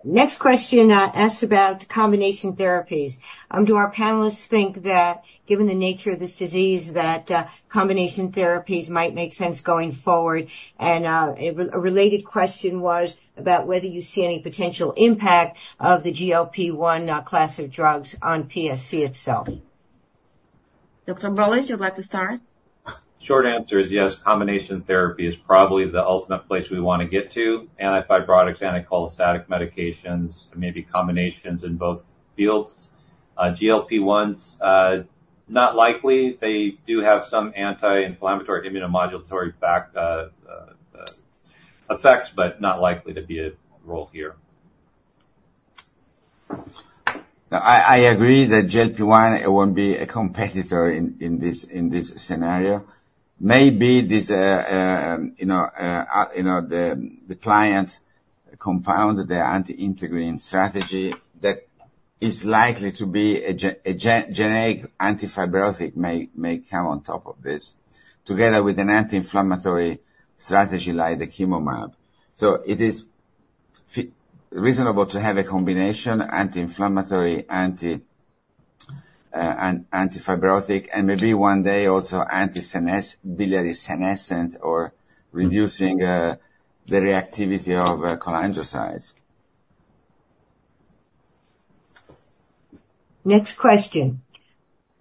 I: Next question asks about combination therapies. Do our panelists think that, given the nature of this disease, that combination therapies might make sense going forward? And a related question was about whether you see any potential impact of the GLP-1 class of drugs on PSC itself. Dr. Bowlus, you'd like to start?
C: Short answer is yes, combination therapy is probably the ultimate place we want to get to, antifibrotic, and cholestatic medications, maybe combinations in both fields. GLP-1s, not likely. They do have some anti-inflammatory immunomodulatory effects, but not likely to be a role here.
E: I agree that GLP-1 it won't be a competitor in this scenario. Maybe the client compounded their anti-integrin strategy that is likely to be a genetic antifibrotic may come on top of this, together with an anti-inflammatory strategy like the Chemomab. So it is reasonable to have a combination, anti-inflammatory, an antifibrotic, and maybe one day also anti-senescent biliary senescent or reducing the reactivity of cholangiocytes.
I: Next question.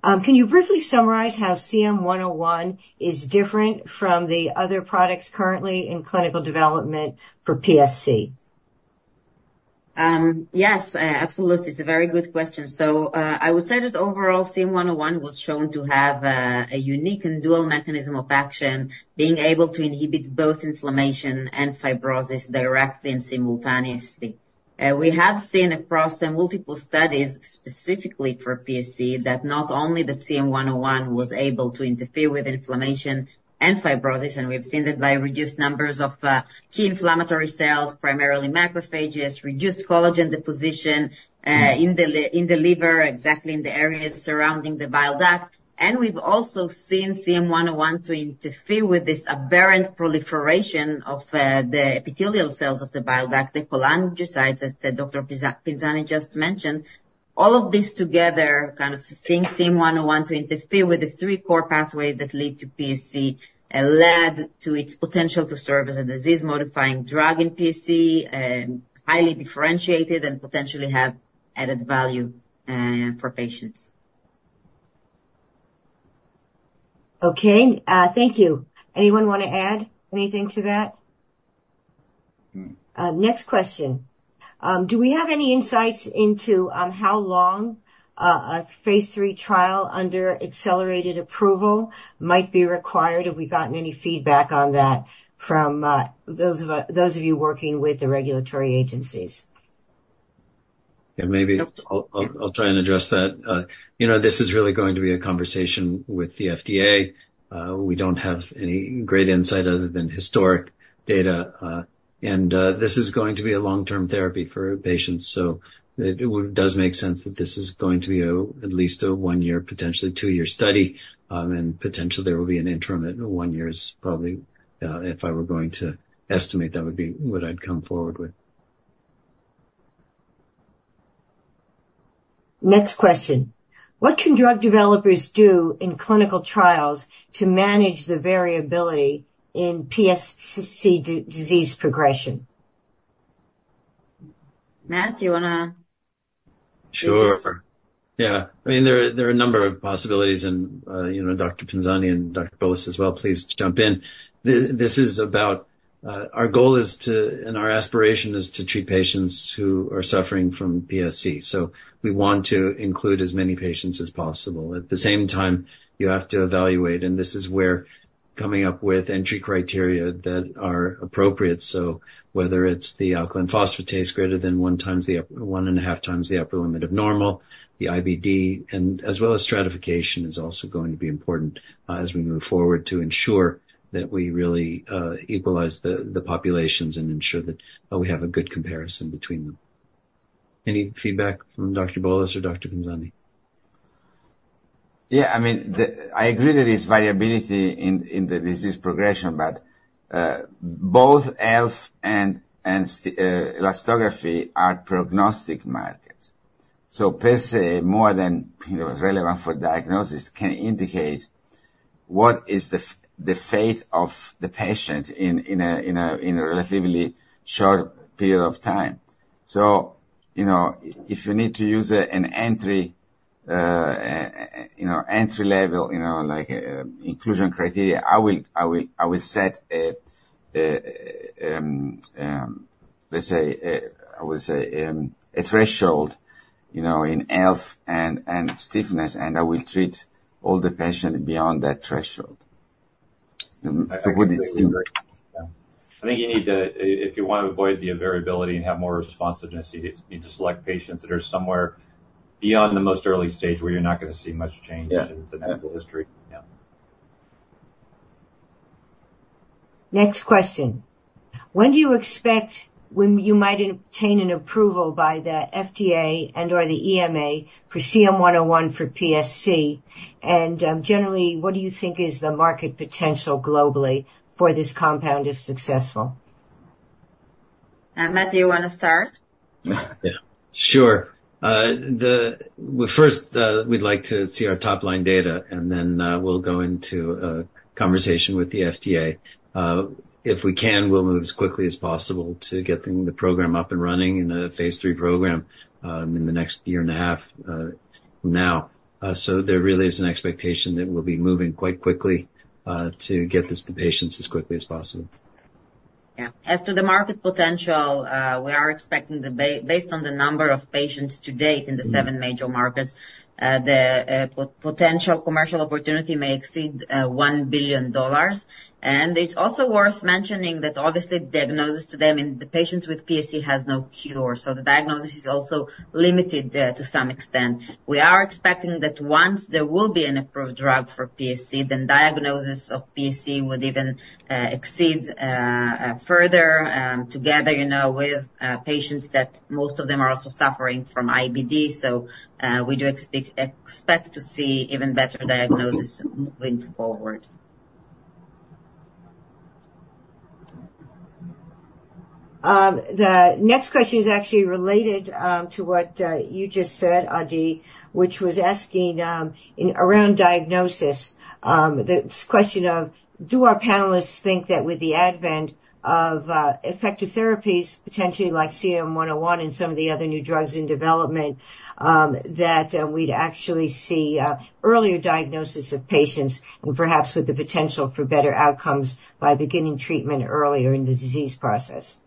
I: Can you briefly summarize how CM-101 is different from the other products currently in clinical development for PSC?
B: Yes, absolutely. It's a very good question. So, I would say that overall, CM-101 was shown to have a unique and dual mechanism of action, being able to inhibit both inflammation and fibrosis directly and simultaneously. We have seen across multiple studies, specifically for PSC, that not only CM-101 was able to interfere with inflammation and fibrosis, and we've seen that by reduced numbers of key inflammatory cells, primarily macrophages, reduced collagen deposition in the liver, exactly in the areas surrounding the bile duct. And we've also seen CM-101 to interfere with this aberrant proliferation of the epithelial cells of the bile duct, the cholangiocytes, as Dr. Pinzani just mentioned. All of this together, kind of seeing CM-101 to interfere with the three core pathways that lead to PSC, led to its potential to serve as a disease-modifying drug in PSC, highly differentiated and potentially have added value for patients.
I: Okay, thank you. Anyone want to add anything to that?
E: Mm-mm.
I: Next question. Do we have any insights into how long a phase III trial under accelerated approval might be required? Have we gotten any feedback on that from those of you working with the regulatory agencies?
F: Yeah, maybe I'll try and address that. You know, this is really going to be a conversation with the FDA. We don't have any great insight other than historic data, and this is going to be a long-term therapy for patients. So it would does make sense that this is going to be a, at least a one-year, potentially two-year study, and potentially there will be an interim at one year probably, if I were going to estimate, that would be what I'd come forward with.
I: Next question: What can drug developers do in clinical trials to manage the variability in PSC disease progression? Matt, do you wanna.
F: Sure. Yeah. I mean, there, there are a number of possibilities and, you know, Dr. Pinzani and Dr. Bowlus as well, please jump in. This is about... Our goal is to, and our aspiration is to treat patients who are suffering from PSC, so we want to include as many patients as possible. At the same time, you have to evaluate, and this is where coming up with entry criteria that are appropriate, so whether it's the alkaline phosphatase greater than 1x the upper, 1.5x the upper limit of normal, the IBD, and as well as stratification, is also going to be important, as we move forward, to ensure that we really, equalize the, the populations and ensure that, we have a good comparison between them. Any feedback from Dr. Bowlus or Dr. Pinzani?
E: Yeah, I mean, I agree that there is variability in the disease progression, but both ELF and elastography are prognostic markers. So per se, more than, you know, relevant for diagnosis, can indicate what is the fate of the patient in a relatively short period of time. So, you know, if you need to use an entry, you know, entry-level, you know, like, inclusion criteria, I will, I will, I will set a, let's say, I would say, a threshold, you know, in ELF and stiffness, and I will treat all the patient beyond that threshold. To put it simply.
C: I think you need to, if you want to avoid the variability and have more responsiveness, you need, you need to select patients that are somewhere beyond the most early stage, where you're not going to see much change.
E: Yeah
C: To the natural history. Yeah.
I: Next question: When do you expect, when you might obtain an approval by the FDA and/or the EMA for CM-101 for PSC? And, generally, what do you think is the market potential globally for this compound, if successful?
B: Matt, do you want to start?
F: Yeah. Sure. Well, first, we'd like to see our top-line data, and then we'll go into a conversation with the FDA. If we can, we'll move as quickly as possible to getting the program up and running in a phase III program in the next year and a half from now. So there really is an expectation that we'll be moving quite quickly to get this to patients as quickly as possible.
B: Yeah. As to the market potential, we are expecting, based on the number of patients to date in the seven major markets, the potential commercial opportunity may exceed $1 billion. It's also worth mentioning that obviously diagnosis to them, and the patients with PSC has no cure, so the diagnosis is also limited there to some extent. We are expecting that once there will be an approved drug for PSC, then diagnosis of PSC would even exceed further together, you know, with patients that most of them are also suffering from IBD. We do expect to see even better diagnosis moving forward.
I: The next question is actually related to what you just said, Adi, which was asking in around diagnosis. The question of: Do our panelists think that with the advent of effective therapies, potentially like CM-101 and some of the other new drugs in development, that we'd actually see earlier diagnosis of patients and perhaps with the potential for better outcomes by beginning treatment earlier in the disease process?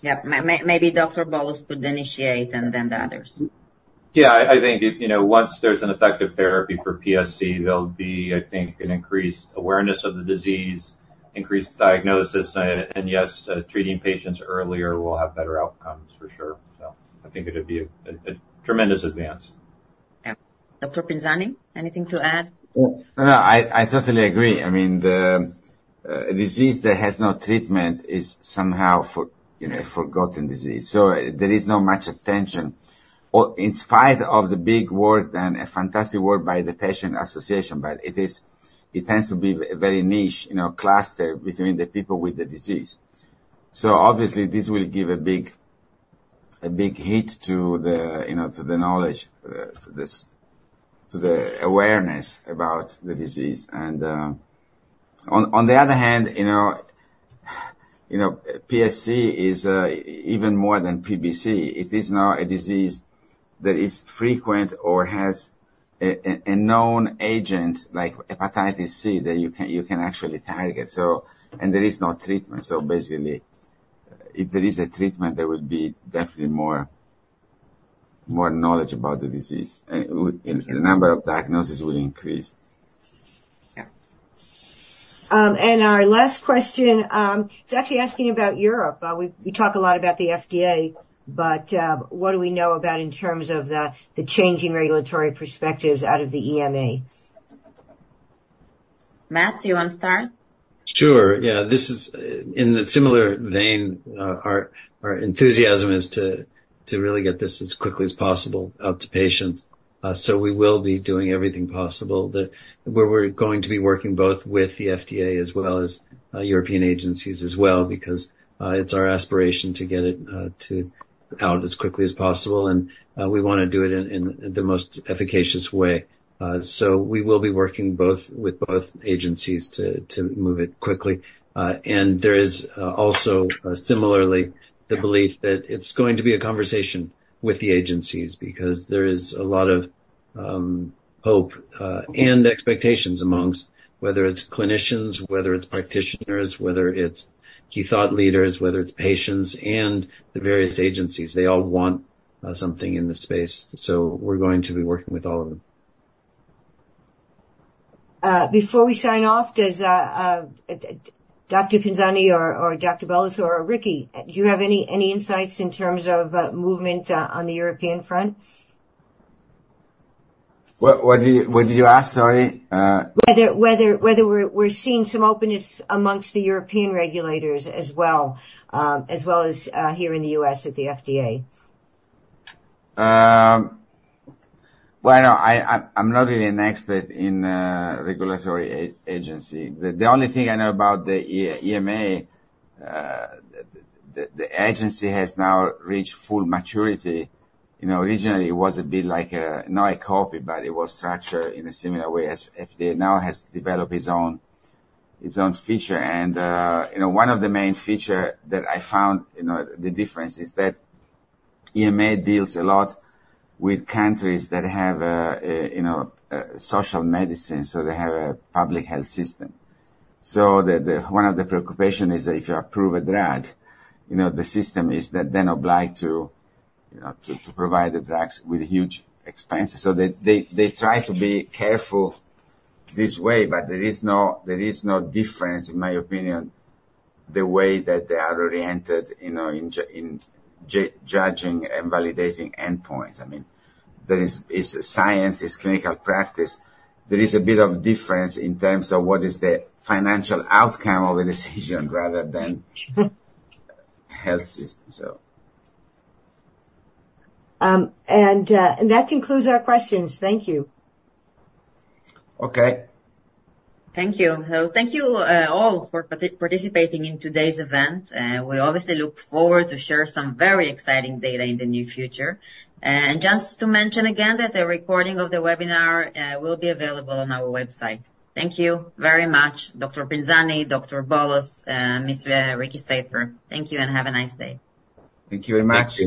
B: Yeah. Maybe Dr. Bowlus could initiate and then the others.
C: Yeah, I think if, you know, once there's an effective therapy for PSC, there'll be, I think, an increased awareness of the disease, increased diagnosis, and, yes, treating patients earlier will have better outcomes for sure. So I think it'd be a tremendous advance.
B: Yeah. Dr. Pinzani, anything to add?
E: Well, I totally agree. I mean, the disease that has no treatment is somehow for, you know, a forgotten disease, so there is no much attention. Or in spite of the big work and a fantastic work by the patient association, but it is. It tends to be very niche, you know, cluster between the people with the disease. So obviously, this will give a big hit to the, you know, to the knowledge to the awareness about the disease. And on the other hand, you know, PSC is even more than PBC. It is now a disease that is frequent or has a known agent, like hepatitis C, that you can actually target. There is no treatment, so basically, if there is a treatment, there would be definitely more, more knowledge about the disease, and the number of diagnoses will increase.
B: Yeah.
I: Our last question is actually asking about Europe. We talk a lot about the FDA, but what do we know about in terms of the changing regulatory perspectives out of the EMA?
B: Matt, do you want to start?
F: Sure. Yeah, this is in a similar vein, our enthusiasm is to really get this as quickly as possible out to patients. So we will be doing everything possible, that where we're going to be working both with the FDA as well as European agencies as well, because it's our aspiration to get it to out as quickly as possible, and we wanna do it in the most efficacious way. So we will be working both with both agencies to move it quickly. And there is also similarly the belief that it's going to be a conversation with the agencies, because there is a lot of hope and expectations amongst whether it's clinicians, whether it's practitioners, whether it's key thought leaders, whether it's patients and the various agencies. They all want something in the space, so we're going to be working with all of them.
I: Before we sign off, does Dr. Pinzani or Dr. Bowlus or Ricky have any insights in terms of movement on the European front?
E: What did you ask, sorry?
I: Whether we're seeing some openness among the European regulators as well, as well as here in the U.S. at the FDA.
E: Well, I know I, I'm not really an expert in regulatory agency. The only thing I know about the EMA, the agency has now reached full maturity. You know, originally it was a bit like a, not a copy, but it was structured in a similar way as FDA. Now, has developed its own, its own feature. You know, one of the main feature that I found, you know, the difference is that EMA deals a lot with countries that have a, you know, a social medicine, so they have a public health system. So One of the preoccupation is if you approve a drug, you know, the system is that they're obliged to, you know, to provide the drugs with huge expenses. So they try to be careful this way, but there is no difference, in my opinion, the way that they are oriented, you know, in judging and validating endpoints. I mean, there is, it's a science, it's clinical practice. There is a bit of difference in terms of what is the financial outcome of the decision rather than health system. So.
I: That concludes our questions. Thank you.
E: Okay.
B: Thank you. So thank you, all for participating in today's event, we obviously look forward to share some very exciting data in the near future. And just to mention again, that the recording of the webinar will be available on our website. Thank you very much, Dr. Pinzani, Dr. Bowlus, Mr. Ricky Safer. Thank you, and have a nice day.
E: Thank you very much.